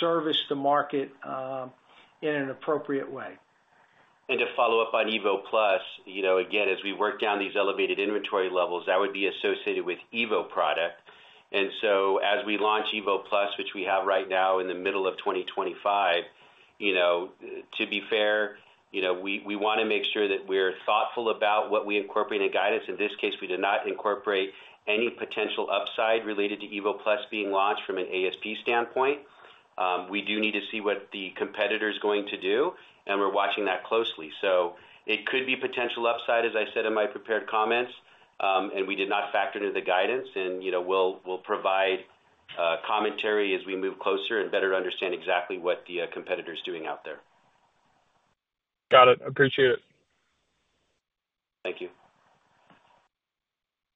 [SPEAKER 4] service the market in an appropriate way.
[SPEAKER 3] To follow up on EVO+, again, as we work down these elevated inventory levels, that would be associated with EVO product. So as we launch EVO+, which we have right now in the middle of 2025, to be fair, we want to make sure that we're thoughtful about what we incorporate in guidance. In this case, we do not incorporate any potential upside related to EVO+ being launched from an ASP standpoint. We do need to see what the competitor is going to do, and we're watching that closely. It could be potential upside, as I said in my prepared comments, and we did not factor into the guidance. And we'll provide commentary as we move closer and better understand exactly what the competitor is doing out there.
[SPEAKER 8] Got it. Appreciate it.
[SPEAKER 3] Thank you.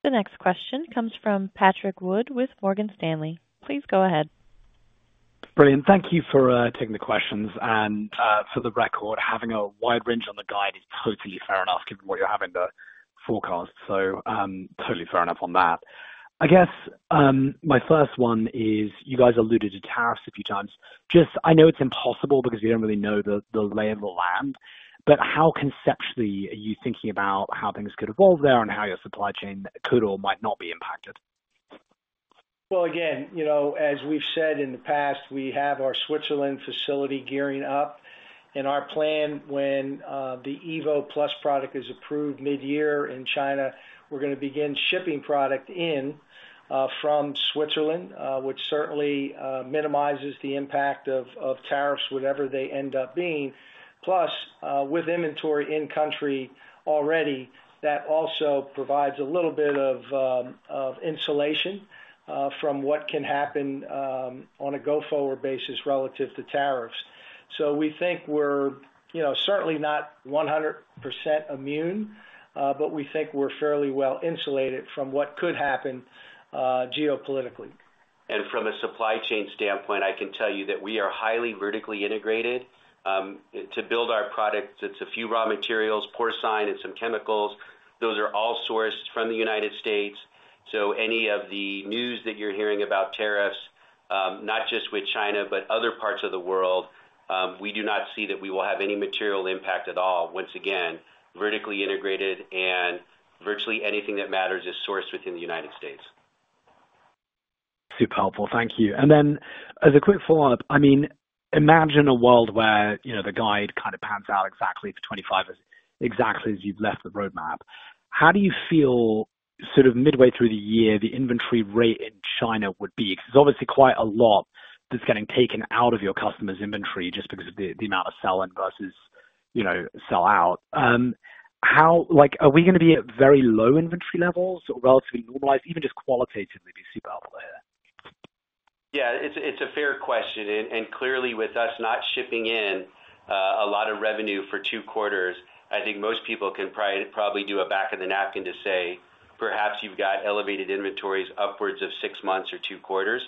[SPEAKER 1] The next question comes from Patrick Wood with Morgan Stanley. Please go ahead.
[SPEAKER 9] Brilliant. Thank you for taking the questions. And for the record, having a wide range on the guide is totally fair enough given what you're having to forecast. So totally fair enough on that. I guess my first one is you guys alluded to tariffs a few times. Just I know it's impossible because we don't really know the lay of the land, but how conceptually are you thinking about how things could evolve there and how your supply chain could or might not be impacted?
[SPEAKER 3] Well, again, as we've said in the past, we have our Switzerland facility gearing up. And our plan when the EVO+ product is approved mid-year in China, we're going to begin shipping product in from Switzerland, which certainly minimizes the impact of tariffs, whatever they end up being. Plus, with inventory in country already, that also provides a little bit of insulation from what can happen on a go-forward basis relative to tariffs. So we think we're certainly not 100% immune, but we think we're fairly well insulated from what could happen geopolitically.
[SPEAKER 4] And from a supply chain standpoint, I can tell you that we are highly vertically integrated. To build our products, it's a few raw materials, porcine and some chemicals. Those are all sourced from the United States. So any of the news that you're hearing about tariffs, not just with China, but other parts of the world, we do not see that we will have any material impact at all. Once again, vertically integrated and virtually anything that matters is sourced within the United States.
[SPEAKER 9] Super helpful. Thank you. And then as a quick follow-up, I mean, imagine a world where the guide kind of pans out exactly for 2025 exactly as you've left the roadmap. How do you feel sort of midway through the year the inventory rate in China would be? Because there's obviously quite a lot that's getting taken out of your customer's inventory just because of the amount of sell-in versus sell-through. Are we going to be at very low inventory levels, relatively normalized, even just qualitatively be super helpful here?
[SPEAKER 4] Yeah. It's a fair question. And clearly, with us not shipping in a lot of revenue for two quarters, I think most people can probably do a back of the napkin to say, perhaps you've got elevated inventories upwards of six months or two quarters.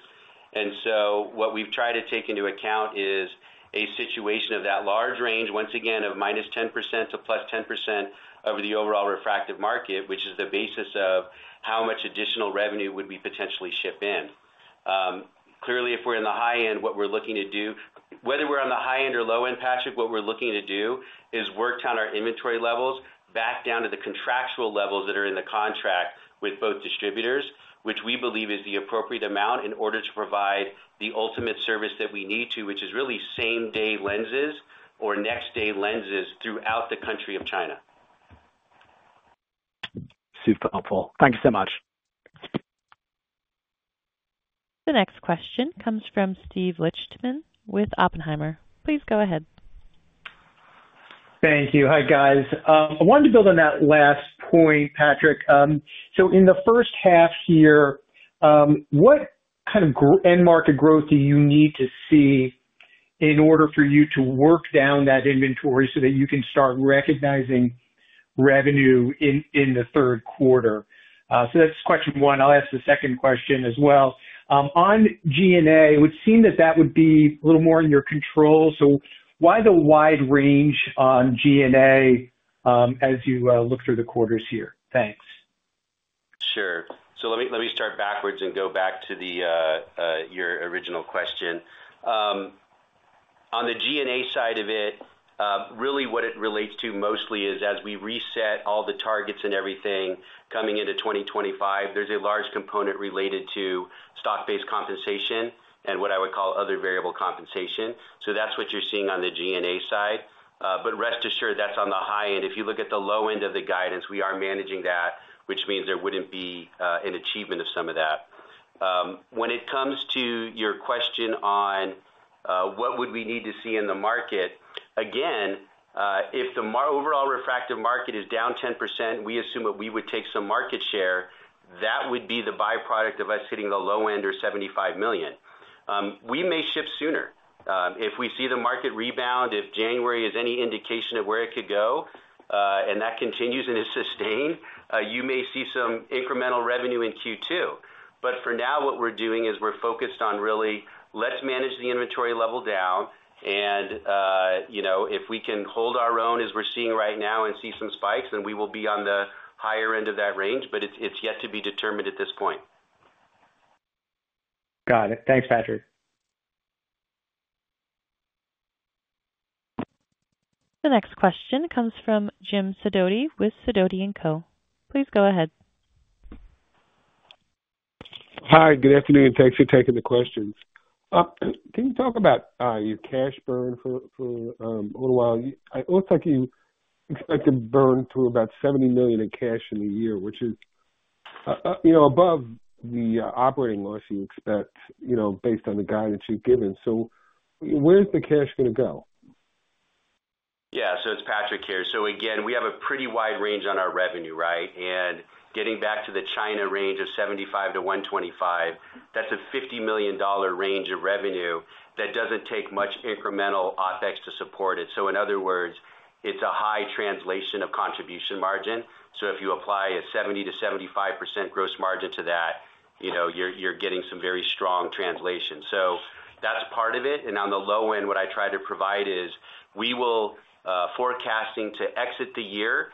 [SPEAKER 4] And so what we've tried to take into account is a situation of that large range, once again, of -10% to +10% over the overall refractive market, which is the basis of how much additional revenue would we potentially ship in. Clearly, if we're in the high end, what we're looking to do, whether we're on the high end or low end, Patrick, what we're looking to do is work down our inventory levels back down to the contractual levels that are in the contract with both distributors, which we believe is the appropriate amount in order to provide the ultimate service that we need to, which is really same-day lenses or next-day lenses throughout the country of China.
[SPEAKER 9] Super helpful. Thank you so much.
[SPEAKER 1] The next question comes from Steve Lichtman with Oppenheimer. Please go ahead.
[SPEAKER 10] Thank you. Hi, guys. I wanted to build on that last point, Patrick. So in the first half here, what kind of end market growth do you need to see in order for you to work down that inventory so that you can start recognizing revenue in the third quarter? So that's question one. I'll ask the second question as well. On G&A, it would seem that that would be a little more in your control. So why the wide range on G&A as you look through the quarters here? Thanks.
[SPEAKER 4] Sure. So let me start backwards and go back to your original question. On the G&A side of it, really what it relates to mostly is as we reset all the targets and everything coming into 2025, there's a large component related to stock-based compensation and what I would call other variable compensation. So that's what you're seeing on the G&A side. But rest assured, that's on the high end. If you look at the low end of the guidance, we are managing that, which means there wouldn't be an achievement of some of that. When it comes to your question on what would we need to see in the market, again, if the overall refractive market is down 10%, we assume that we would take some market share. That would be the byproduct of us hitting the low end or 75 million. We may ship sooner. If we see the market rebound, if January is any indication of where it could go and that continues and is sustained, you may see some incremental revenue in Q2. But for now, what we're doing is we're focused on really, let's manage the inventory level down. And if we can hold our own as we're seeing right now and see some spikes, then we will be on the higher end of that range, but it's yet to be determined at this point.
[SPEAKER 10] Got it. Thanks, Patrick.
[SPEAKER 1] The next question comes from Jim Sidoti with Sidoti & Co. Please go ahead.
[SPEAKER 11] Hi. Good afternoon. Thanks for taking the questions. Can you talk about your cash burn for a little while? It looks like you expect to burn through about $70 million in cash in a year, which is above the operating loss you expect based on the guidance you've given. So where's the cash going to go?
[SPEAKER 4] Yeah. So it's Patrick here. So again, we have a pretty wide range on our revenue, right? Getting back to the China range of $75-$125, that's a $50 million range of revenue that doesn't take much incremental OpEx to support it. So in other words, it's a high translation of contribution margin. So if you apply a 70%-75% gross margin to that, you're getting some very strong translation. So that's part of it. On the low end, what I try to provide is we're forecasting to exit the year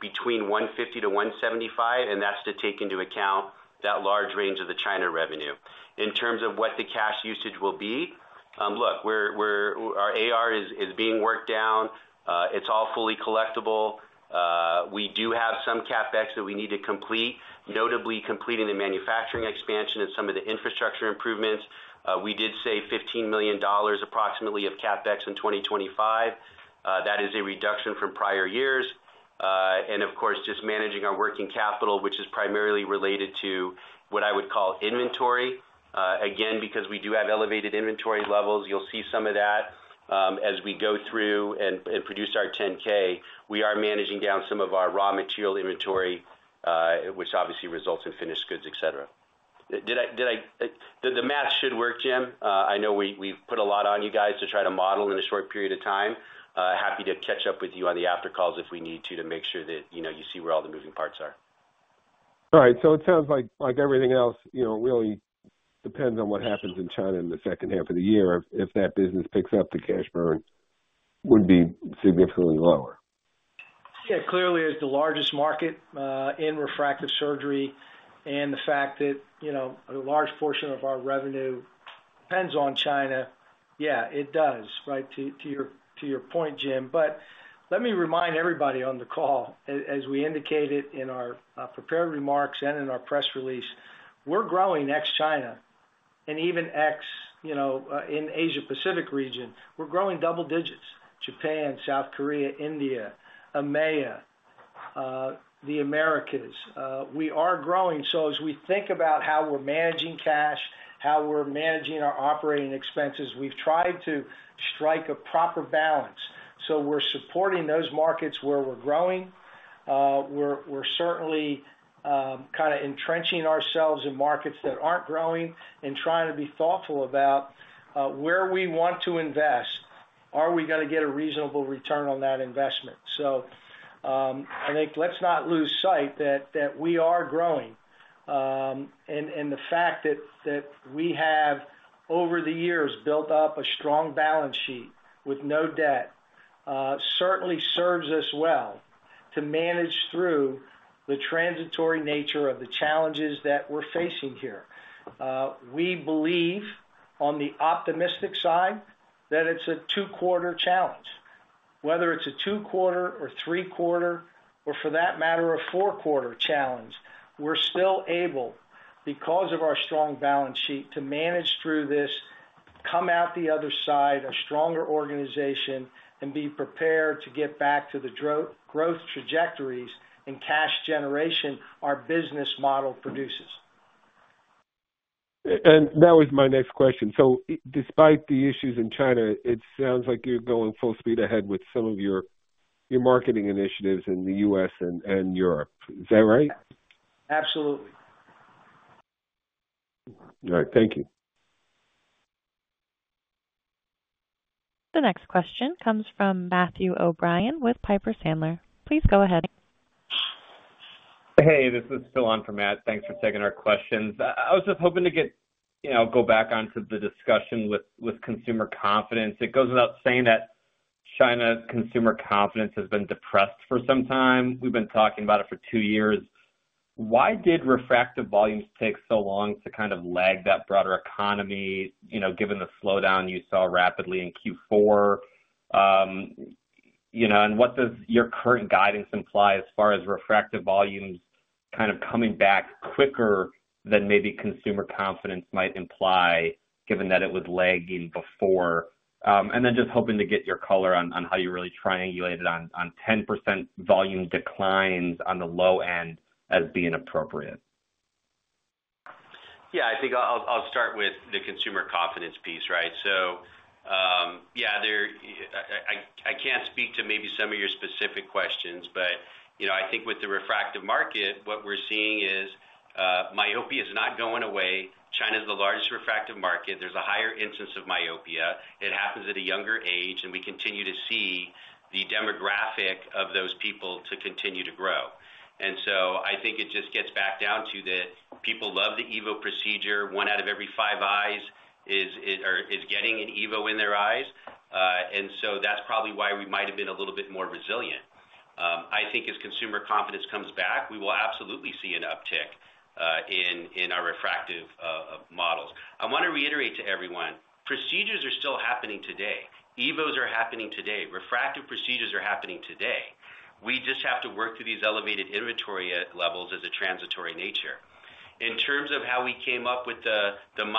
[SPEAKER 4] between $150-$175, and that's to take into account that large range of the China revenue. In terms of what the cash usage will be, look, our AR is being worked down. It's all fully collectible. We do have some CapEx that we need to complete, notably completing the manufacturing expansion and some of the infrastructure improvements. We did say $15 million approximately of CapEx in 2025. That is a reduction from prior years. And of course, just managing our working capital, which is primarily related to what I would call inventory. Again, because we do have elevated inventory levels, you'll see some of that as we go through and produce our 10-K, we are managing down some of our raw material inventory, which obviously results in finished goods, etc. Did the math should work, Jim? I know we've put a lot on you guys to try to model in a short period of time. Happy to catch up with you on the after calls if we need to, to make sure that you see where all the moving parts are.
[SPEAKER 11] All right. So it sounds like everything else really depends on what happens in China in the second half of the year. If that business picks up, the cash burn would be significantly lower. Yeah.
[SPEAKER 4] Clearly, it's the largest market in refractive surgery and the fact that a large portion of our revenue depends on China. Yeah, it does, right? To your point, Jim. But let me remind everybody on the call, as we indicated in our prepared remarks and in our press release, we're growing ex-China and even ex-Asia-Pacific region. We're growing double digits: Japan, South Korea, India, EMEA, the Americas. We are growing. So as we think about how we're managing cash, how we're managing our operating expenses, we've tried to strike a proper balance. So we're supporting those markets where we're growing. We're certainly kind of entrenching ourselves in markets that aren't growing and trying to be thoughtful about where we want to invest. Are we going to get a reasonable return on that investment? So I think let's not lose sight that we are growing. And the fact that we have over the years built up a strong balance sheet with no debt certainly serves us well to manage through the transitory nature of the challenges that we're facing here. We believe on the optimistic side that it's a two-quarter challenge. Whether it's a two-quarter or three-quarter or for that matter, a four-quarter challenge, we're still able, because of our strong balance sheet, to manage through this, come out the other side, a stronger organization, and be prepared to get back to the growth trajectories and cash generation our business model produces.
[SPEAKER 11] And that was my next question. So despite the issues in China, it sounds like you're going full speed ahead with some of your marketing initiatives in the U.S. and Europe. Is that right?
[SPEAKER 4] Absolutely.
[SPEAKER 11] All right. Thank you.
[SPEAKER 1] The next question comes from Matthew O'Brien with Piper Sandler. Please go ahead.
[SPEAKER 12] Hey, this is Phil on for Matt. Thanks for taking our questions. I was just hoping to go back onto the discussion with consumer confidence. It goes without saying that China's consumer confidence has been depressed for some time. We've been talking about it for two years. Why did refractive volumes take so long to kind of lag that broader economy, given the slowdown you saw rapidly in Q4? And what does your current guidance imply as far as refractive volumes kind of coming back quicker than maybe consumer confidence might imply, given that it was lagging before? And then just hoping to get your color on how you really triangulated on 10% volume declines on the low end as being appropriate.
[SPEAKER 4] Yeah. I think I'll start with the consumer confidence piece, right? Yeah, I can't speak to maybe some of your specific questions, but I think with the refractive market, what we're seeing is myopia is not going away. China is the largest refractive market. There's a higher incidence of myopia. It happens at a younger age, and we continue to see the demographic of those people to continue to grow. And so I think it just gets back down to that people love the EVO procedure. One out of every five eyes is getting an EVO in their eyes. And so that's probably why we might have been a little bit more resilient. I think as consumer confidence comes back, we will absolutely see an uptick in our refractive models. I want to reiterate to everyone, procedures are still happening today. EVOs are happening today. Refractive procedures are happening today. We just have to work through these elevated inventory levels as a transitory nature. In terms of how we came up with the -10%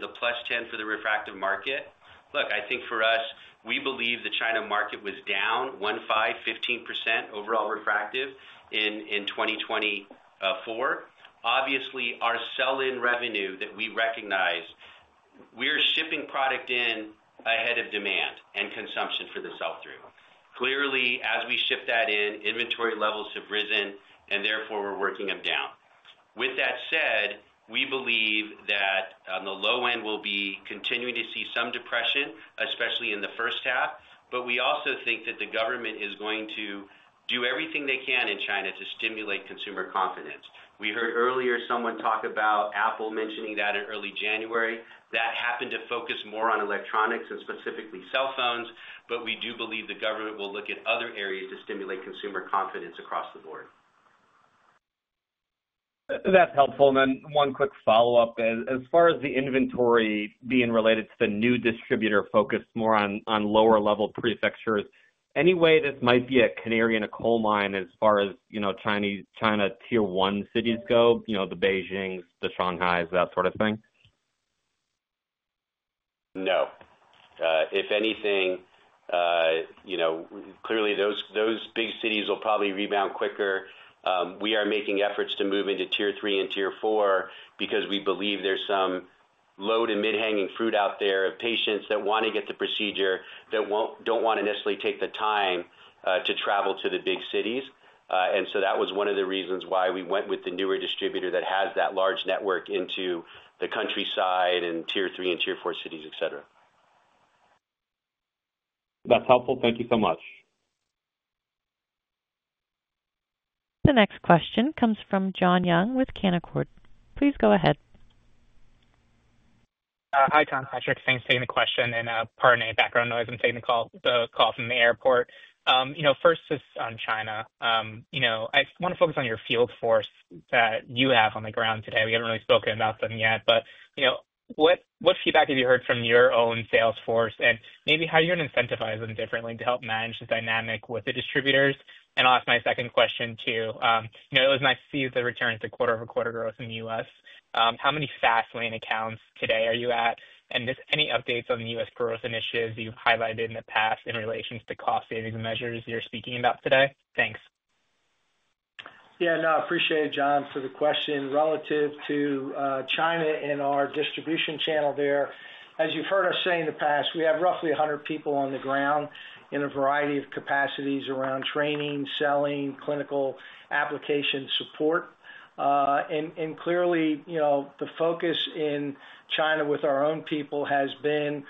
[SPEAKER 4] to +10% for the refractive market, look, I think for us, we believe the China market was down 15% overall refractive in 2024. Obviously, our sell-in revenue that we recognize, we are shipping product in ahead of demand and consumption for the sell-through. Clearly, as we ship that in, inventory levels have risen, and therefore we're working them down. With that said, we believe that on the low end, we'll be continuing to see some depression, especially in the first half. But we also think that the government is going to do everything they can in China to stimulate consumer confidence. We heard earlier someone talk about Apple mentioning that in early January. That happened to focus more on electronics and specifically cell phones, but we do believe the government will look at other areas to stimulate consumer confidence across the board.
[SPEAKER 12] That's helpful, and then one quick follow-up. As far as the inventory being related to the new distributor focused more on lower-level prefectures, any way this might be a canary in a coal mine as far as China Tier 1 cities go, the Beijings, the Shanghais, that sort of thing?
[SPEAKER 3] No. If anything, clearly those big cities will probably rebound quicker. We are making efforts to move into Tier 3 and Tier 4 because we believe there's some low to mid-hanging fruit out there of patients that want to get the procedure that don't want to necessarily take the time to travel to the big cities. And so that was one of the reasons why we went with the newer distributor that has that large network into the countryside and Tier 3 and Tier 4 cities, etc.
[SPEAKER 12] That's helpful. Thank you so much.
[SPEAKER 1] The next question comes from Jon Young with Canaccord. Please go ahead.
[SPEAKER 13] Hi, Tom, Patrick. Thanks for taking the question and pardon any background noise. I'm taking the call from the airport. First, just on China, I want to focus on your field force that you have on the ground today. We haven't really spoken about them yet, but what feedback have you heard from your own sales force and maybe how you're going to incentivize them differently to help manage the dynamic with the distributors? And I'll ask my second question too. It was nice to see the return to quarter-over-quarter growth in the U.S. How many Fast Lane accounts today are you at? And just any updates on the U.S. growth initiatives you've highlighted in the past in relation to the cost-saving measures you're speaking about today? Thanks.
[SPEAKER 3] Yeah. No, I appreciate it, Jon, for the question relative to China and our distribution channel there. As you've heard us say in the past, we have roughly 100 people on the ground in a variety of capacities around training, selling, clinical application support, and clearly, the focus in China with our own people has been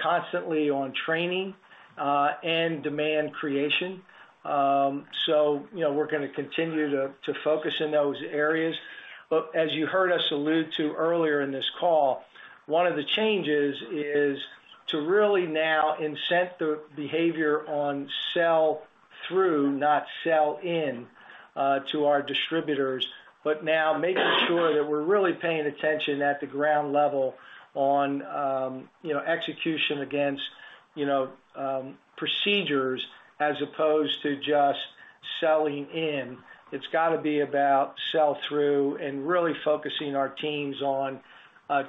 [SPEAKER 3] constantly on training and demand creation, so we're going to continue to focus in those areas. But as you heard us allude to earlier in this call, one of the changes is to really now incent the behavior on sell-through, not sell-in, to our distributors, but now making sure that we're really paying attention at the ground level on execution against procedures as opposed to just selling in. It's got to be about sell-through and really focusing our teams on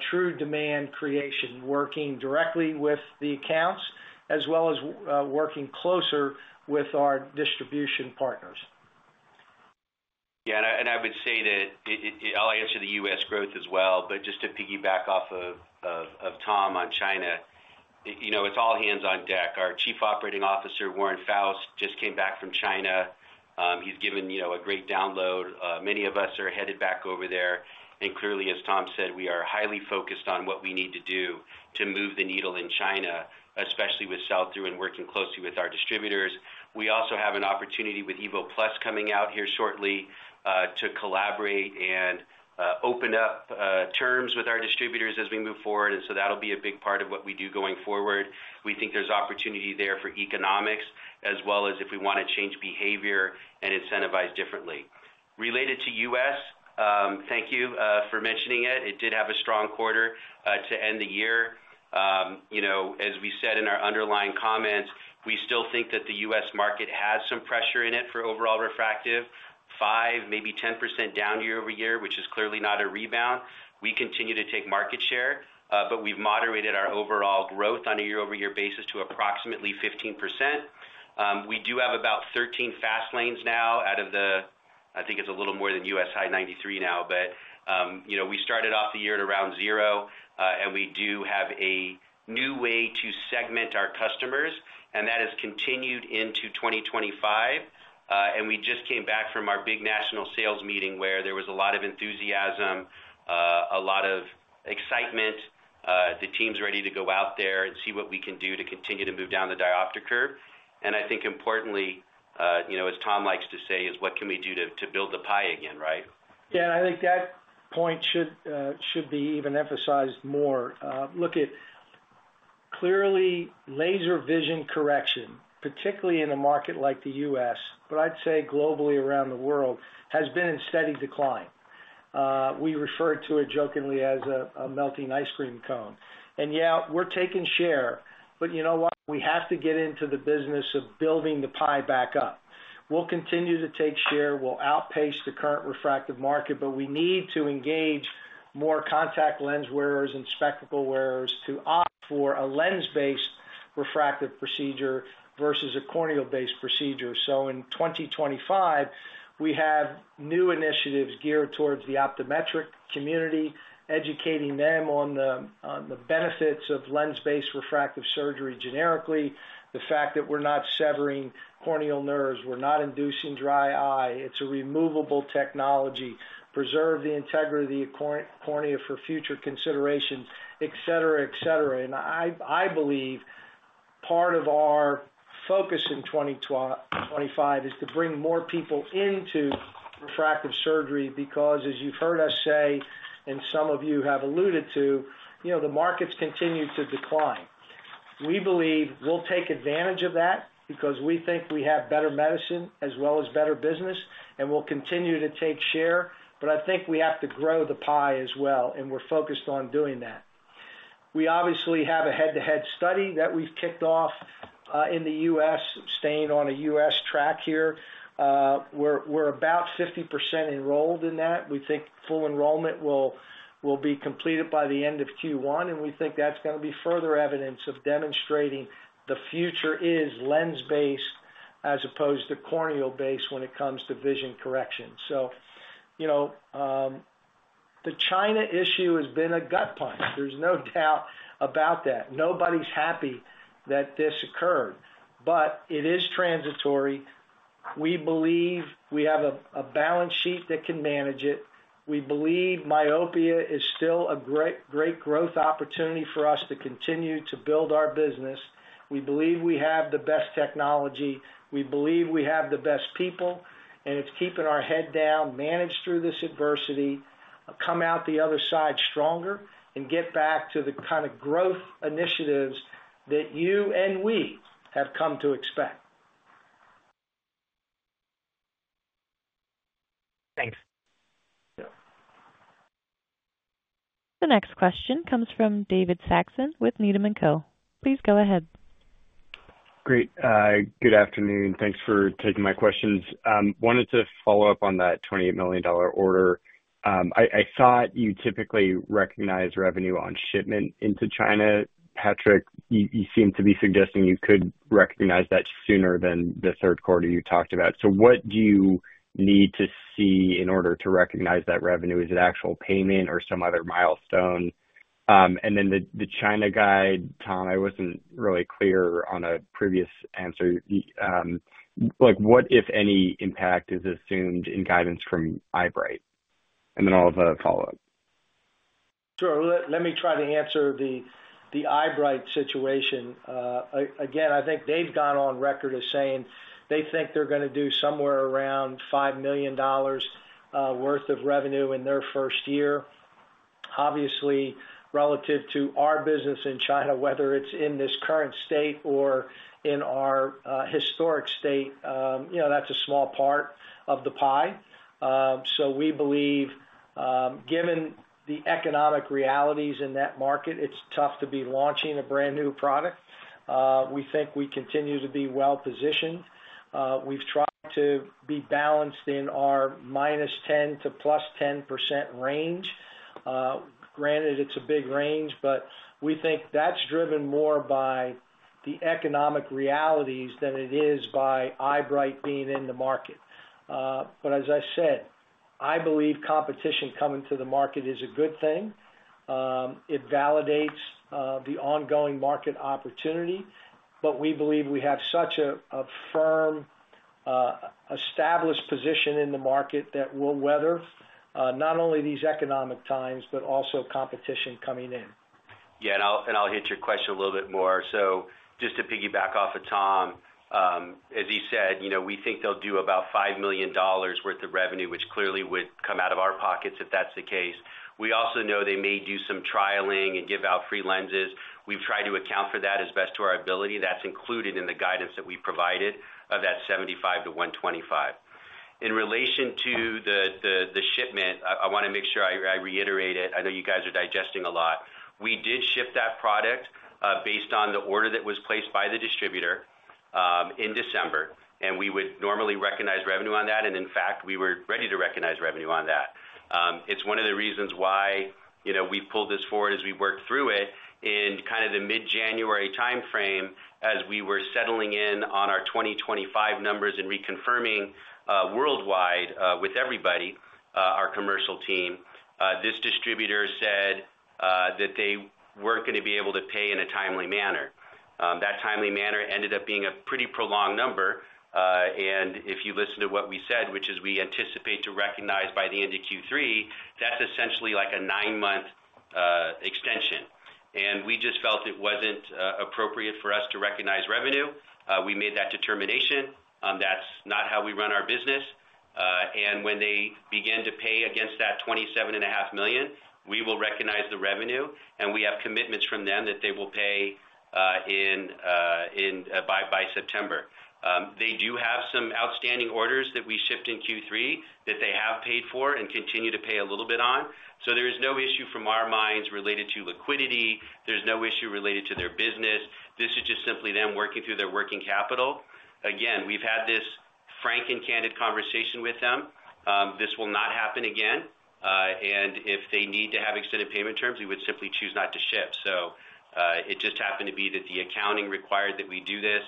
[SPEAKER 3] true demand creation, working directly with the accounts as well as working closer with our distribution partners.
[SPEAKER 4] Yeah. And I would say that I'll answer the U.S. growth as well, but just to piggyback off of Tom on China, it's all hands on deck. Our Chief Operating Officer, Warren Foust, just came back from China. He's given a great download. Many of us are headed back over there. And clearly, as Tom said, we are highly focused on what we need to do to move the needle in China, especially with sell-through and working closely with our distributors. We also have an opportunity with EVO+ coming out here shortly to collaborate and open up terms with our distributors as we move forward. And so that'll be a big part of what we do going forward. We think there's opportunity there for economics as well as if we want to change behavior and incentivize differently. Related to U.S., thank you for mentioning it. It did have a strong quarter to end the year. As we said in our underlying comments, we still think that the U.S. market has some pressure in it for overall refractive, five, maybe 10% down year over year, which is clearly not a rebound. We continue to take market share, but we've moderated our overall growth on a year-over-year basis to approximately 15%. We do have about 13 Fast Lanes now out of the, I think it's a little more than U.S. Highway 93 now, but we started off the year at around zero, and we do have a new way to segment our customers, and that has continued into 2025, and we just came back from our big national sales meeting where there was a lot of enthusiasm, a lot of excitement. The team's ready to go out there and see what we can do to continue to move down the diopter curve, and I think importantly, as Tom likes to say, is what can we do to build the pie again, right?
[SPEAKER 3] Yeah, and I think that point should be even emphasized more. Look at clearly, laser vision correction, particularly in a market like the U.S., but I'd say globally around the world, has been in steady decline. We refer to it jokingly as a melting ice cream cone, and yeah, we're taking share, but you know what? We have to get into the business of building the pie back up. We'll continue to take share. We'll outpace the current refractive market, but we need to engage more contact lens wearers and spectacle wearers to opt for a lens-based refractive procedure versus a corneal-based procedure, In 2025, we have new initiatives geared towards the optometric community, educating them on the benefits of lens-based refractive surgery generically, the fact that we're not severing corneal nerves, we're not inducing dry eye. It's a removable technology, preserves the integrity of the cornea for future considerations, etc., etc. I believe part of our focus in 2025 is to bring more people into refractive surgery because, as you've heard us say, and some of you have alluded to, the markets continue to decline. We believe we'll take advantage of that because we think we have better medicine as well as better business, and we'll continue to take share. I think we have to grow the pie as well, and we're focused on doing that. We obviously have a head-to-head study that we've kicked off in the U.S., staying on a U.S. track here. We're about 50% enrolled in that. We think full enrollment will be completed by the end of Q1, and we think that's going to be further evidence of demonstrating the future is lens-based as opposed to corneal-based when it comes to vision correction. The China issue has been a gut punch. There's no doubt about that. Nobody's happy that this occurred, but it is transitory. We believe we have a balance sheet that can manage it. We believe myopia is still a great growth opportunity for us to continue to build our business. We believe we have the best technology. We believe we have the best people, and it's keeping our head down, manage through this adversity, come out the other side stronger, and get back to the kind of growth initiatives that you and we have come to expect.
[SPEAKER 13] Thanks.
[SPEAKER 1] The next question comes from David Saxon with Needham & Co. Please go ahead.
[SPEAKER 14] Great. Good afternoon. Thanks for taking my questions. Wanted to follow up on that $28 million order. I thought you typically recognize revenue on shipment into China. Patrick, you seem to be suggesting you could recognize that sooner than the third quarter you talked about. So what do you need to see in order to recognize that revenue? Is it actual payment or some other milestone? And then the China guide, Tom. I wasn't really clear on a previous answer. What, if any, impact is assumed in guidance from Eyebright? And then I'll have a follow-up.
[SPEAKER 3] Sure. Let me try to answer the Eyebright situation. Again, I think they've gone on record as saying they think they're going to do somewhere around $5 million worth of revenue in their first year. Obviously, relative to our business in China, whether it's in this current state or in our historic state, that's a small part of the pie. So we believe, given the economic realities in that market, it's tough to be launching a brand new product. We think we continue to be well-positioned. We've tried to be balanced in our -10% to +10% range. Granted, it's a big range, but we think that's driven more by the economic realities than it is by Eyebright being in the market. But as I said, I believe competition coming to the market is a good thing. It validates the ongoing market opportunity, but we believe we have such a firm, established position in the market that will weather not only these economic times, but also competition coming in.
[SPEAKER 4] Yeah. And I'll hit your question a little bit more. So just to piggyback off of Tom, as he said, we think they'll do about $5 million worth of revenue, which clearly would come out of our pockets if that's the case. We also know they may do some trialing and give out free lenses. We've tried to account for that as best to our ability. That's included in the guidance that we provided of that $75 million-$125 million. In relation to the shipment, I want to make sure I reiterate it. I know you guys are digesting a lot. We did ship that product based on the order that was placed by the distributor in December, and we would normally recognize revenue on that, and in fact, we were ready to recognize revenue on that. It's one of the reasons why we've pulled this forward as we worked through it in kind of the mid-January timeframe as we were settling in on our 2025 numbers and reconfirming worldwide with everybody, our commercial team. This distributor said that they weren't going to be able to pay in a timely manner. That timely manner ended up being a pretty prolonged number. If you listen to what we said, which is we anticipate to recognize by the end of Q3, that's essentially like a nine-month extension. We just felt it wasn't appropriate for us to recognize revenue. We made that determination. That's not how we run our business. When they begin to pay against that $27.5 million, we will recognize the revenue. We have commitments from them that they will pay by September. They do have some outstanding orders that we shipped in Q3 that they have paid for and continue to pay a little bit on. There is no issue from our minds related to liquidity. There's no issue related to their business. This is just simply them working through their working capital. Again, we've had this frank and candid conversation with them. This will not happen again. And if they need to have extended payment terms, we would simply choose not to ship. So it just happened to be that the accounting required that we do this.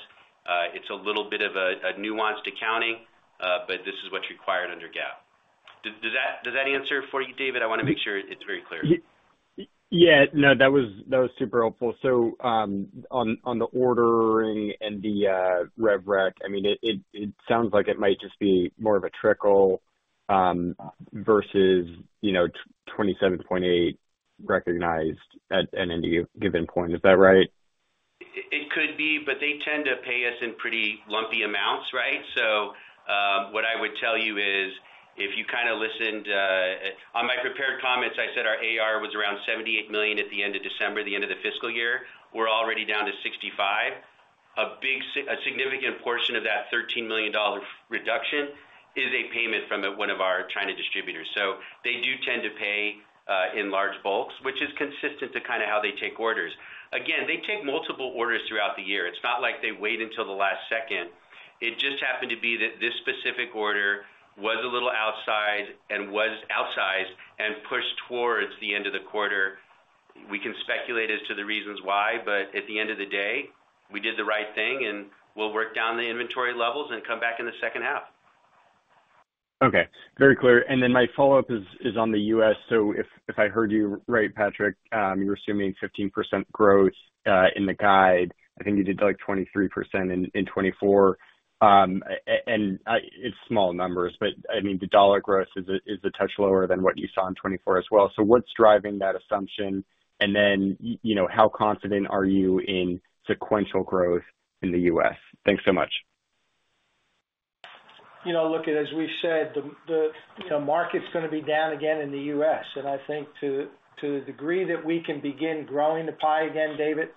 [SPEAKER 4] It's a little bit of a nuanced accounting, but this is what's required under GAAP. Does that answer for you, David? I want to make sure it's very clear.
[SPEAKER 14] Yeah. No, that was super helpful. So on the ordering and the rev rec, I mean, it sounds like it might just be more of a trickle versus $27.8 million recognized at any given point. Is that right?
[SPEAKER 4] It could be, but they tend to pay us in pretty lumpy amounts, right? So what I would tell you is if you kind of listened on my prepared comments, I said our AR was around $78 million at the end of December, the end of the fiscal year. We're already down to $65 million. A significant portion of that $13 million reduction is a payment from one of our China distributors. So they do tend to pay in large bulks, which is consistent to kind of how they take orders. Again, they take multiple orders throughout the year. It's not like they wait until the last second. It just happened to be that this specific order was a little outside and was outsized and pushed towards the end of the quarter. We can speculate as to the reasons why, but at the end of the day, we did the right thing, and we'll work down the inventory levels and come back in the second half.
[SPEAKER 14] Okay. Very clear. And then my follow-up is on the U.S. So if I heard you right, Patrick, you were assuming 15% growth in the guide. I think you did like 23% in 2024. And it's small numbers, but I mean, the dollar growth is a touch lower than what you saw in 2024 as well. So what's driving that assumption? And then how confident are you in sequential growth in the U.S.? Thanks so much.
[SPEAKER 3] Look, as we said, the market's going to be down again in the U.S. And I think to the degree that we can begin growing the pie again, David,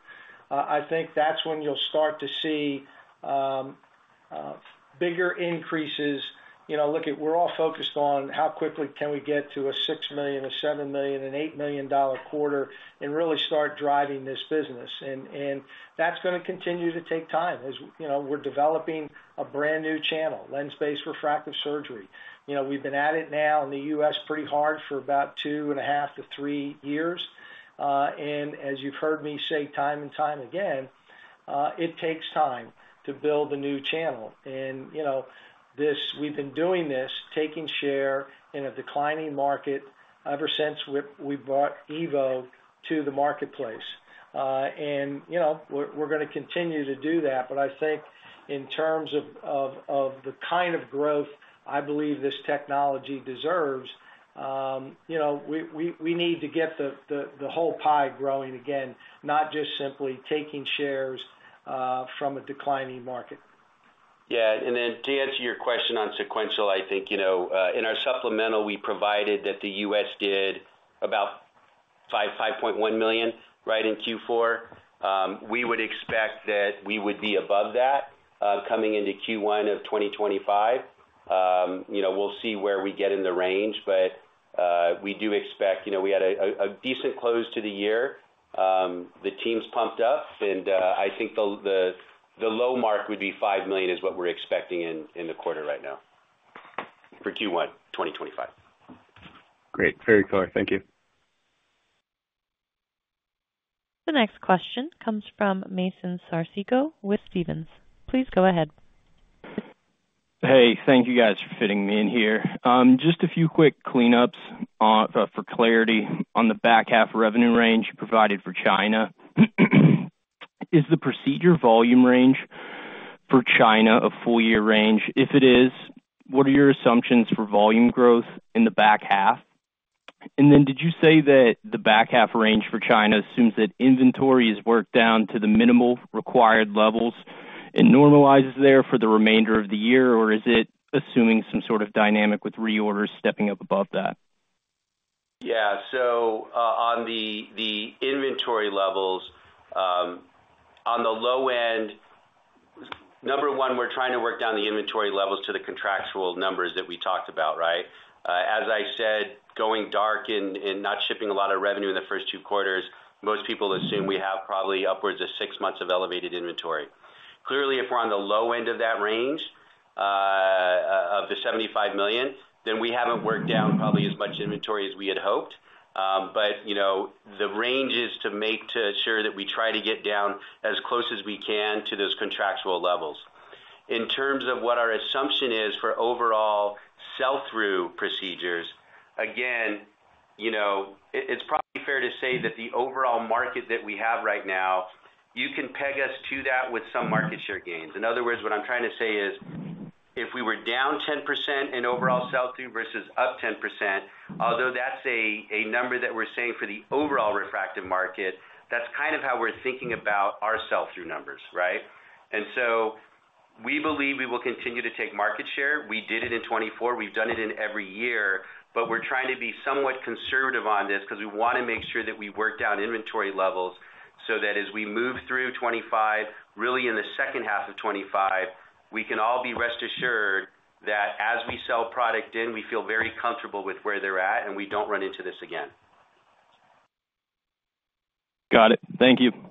[SPEAKER 3] I think that's when you'll start to see bigger increases. Look, we're all focused on how quickly can we get to a $6 million, a $7 million, an $8 million quarter and really start driving this business. And that's going to continue to take time as we're developing a brand new channel, lens-based refractive surgery. We've been at it now in the U.S. pretty hard for about two and a half to three years. As you've heard me say time and time again, it takes time to build a new channel. We've been doing this, taking share in a declining market ever since we brought EVO to the marketplace. We're going to continue to do that. But I think in terms of the kind of growth I believe this technology deserves, we need to get the whole pie growing again, not just simply taking shares from a declining market.
[SPEAKER 4] Yeah. Then to answer your question on sequential, I think in our supplemental, we provided that the U.S. did about 5.1 million, right, in Q4. We would expect that we would be above that coming into Q1 of 2025. We'll see where we get in the range, but we do expect we had a decent close to the year. The team's pumped up, and I think the low mark would be $5 million is what we're expecting in the quarter right now for Q1 2025.
[SPEAKER 14] Great. Very clear. Thank you. The next question comes from Mason Carrico with Stephens. Please go ahead.
[SPEAKER 15] Hey, thank you guys for fitting me in here. Just a few quick cleanups for clarity. On the back half revenue range provided for China, is the procedure volume range for China a full year range? If it is, what are your assumptions for volume growth in the back half? And then did you say that the back half range for China assumes that inventory is worked down to the minimal required levels and normalizes there for the remainder of the year, or is it assuming some sort of dynamic with reorders stepping up above that?
[SPEAKER 4] Yeah. On the inventory levels, on the low end, number one, we're trying to work down the inventory levels to the contractual numbers that we talked about, right? As I said, going dark and not shipping a lot of revenue in the first two quarters, most people assume we have probably upwards of six months of elevated inventory. Clearly, if we're on the low end of that range of the $75 million, then we haven't worked down probably as much inventory as we had hoped. But the range is to make to assure that we try to get down as close as we can to those contractual levels. In terms of what our assumption is for overall sell-through procedures, again, it's probably fair to say that the overall market that we have right now, you can peg us to that with some market share gains. In other words, what I'm trying to say is if we were down 10% in overall sell-through versus up 10%, although that's a number that we're saying for the overall refractive market, that's kind of how we're thinking about our sell-through numbers, right? And so, we believe we will continue to take market share. We did it in 2024. We've done it in every year, but we're trying to be somewhat conservative on this because we want to make sure that we work down inventory levels so that as we move through 2025, really in the second half of 2025, we can all be rest assured that as we sell product in, we feel very comfortable with where they're at and we don't run into this again.
[SPEAKER 15] Got it. Thank you.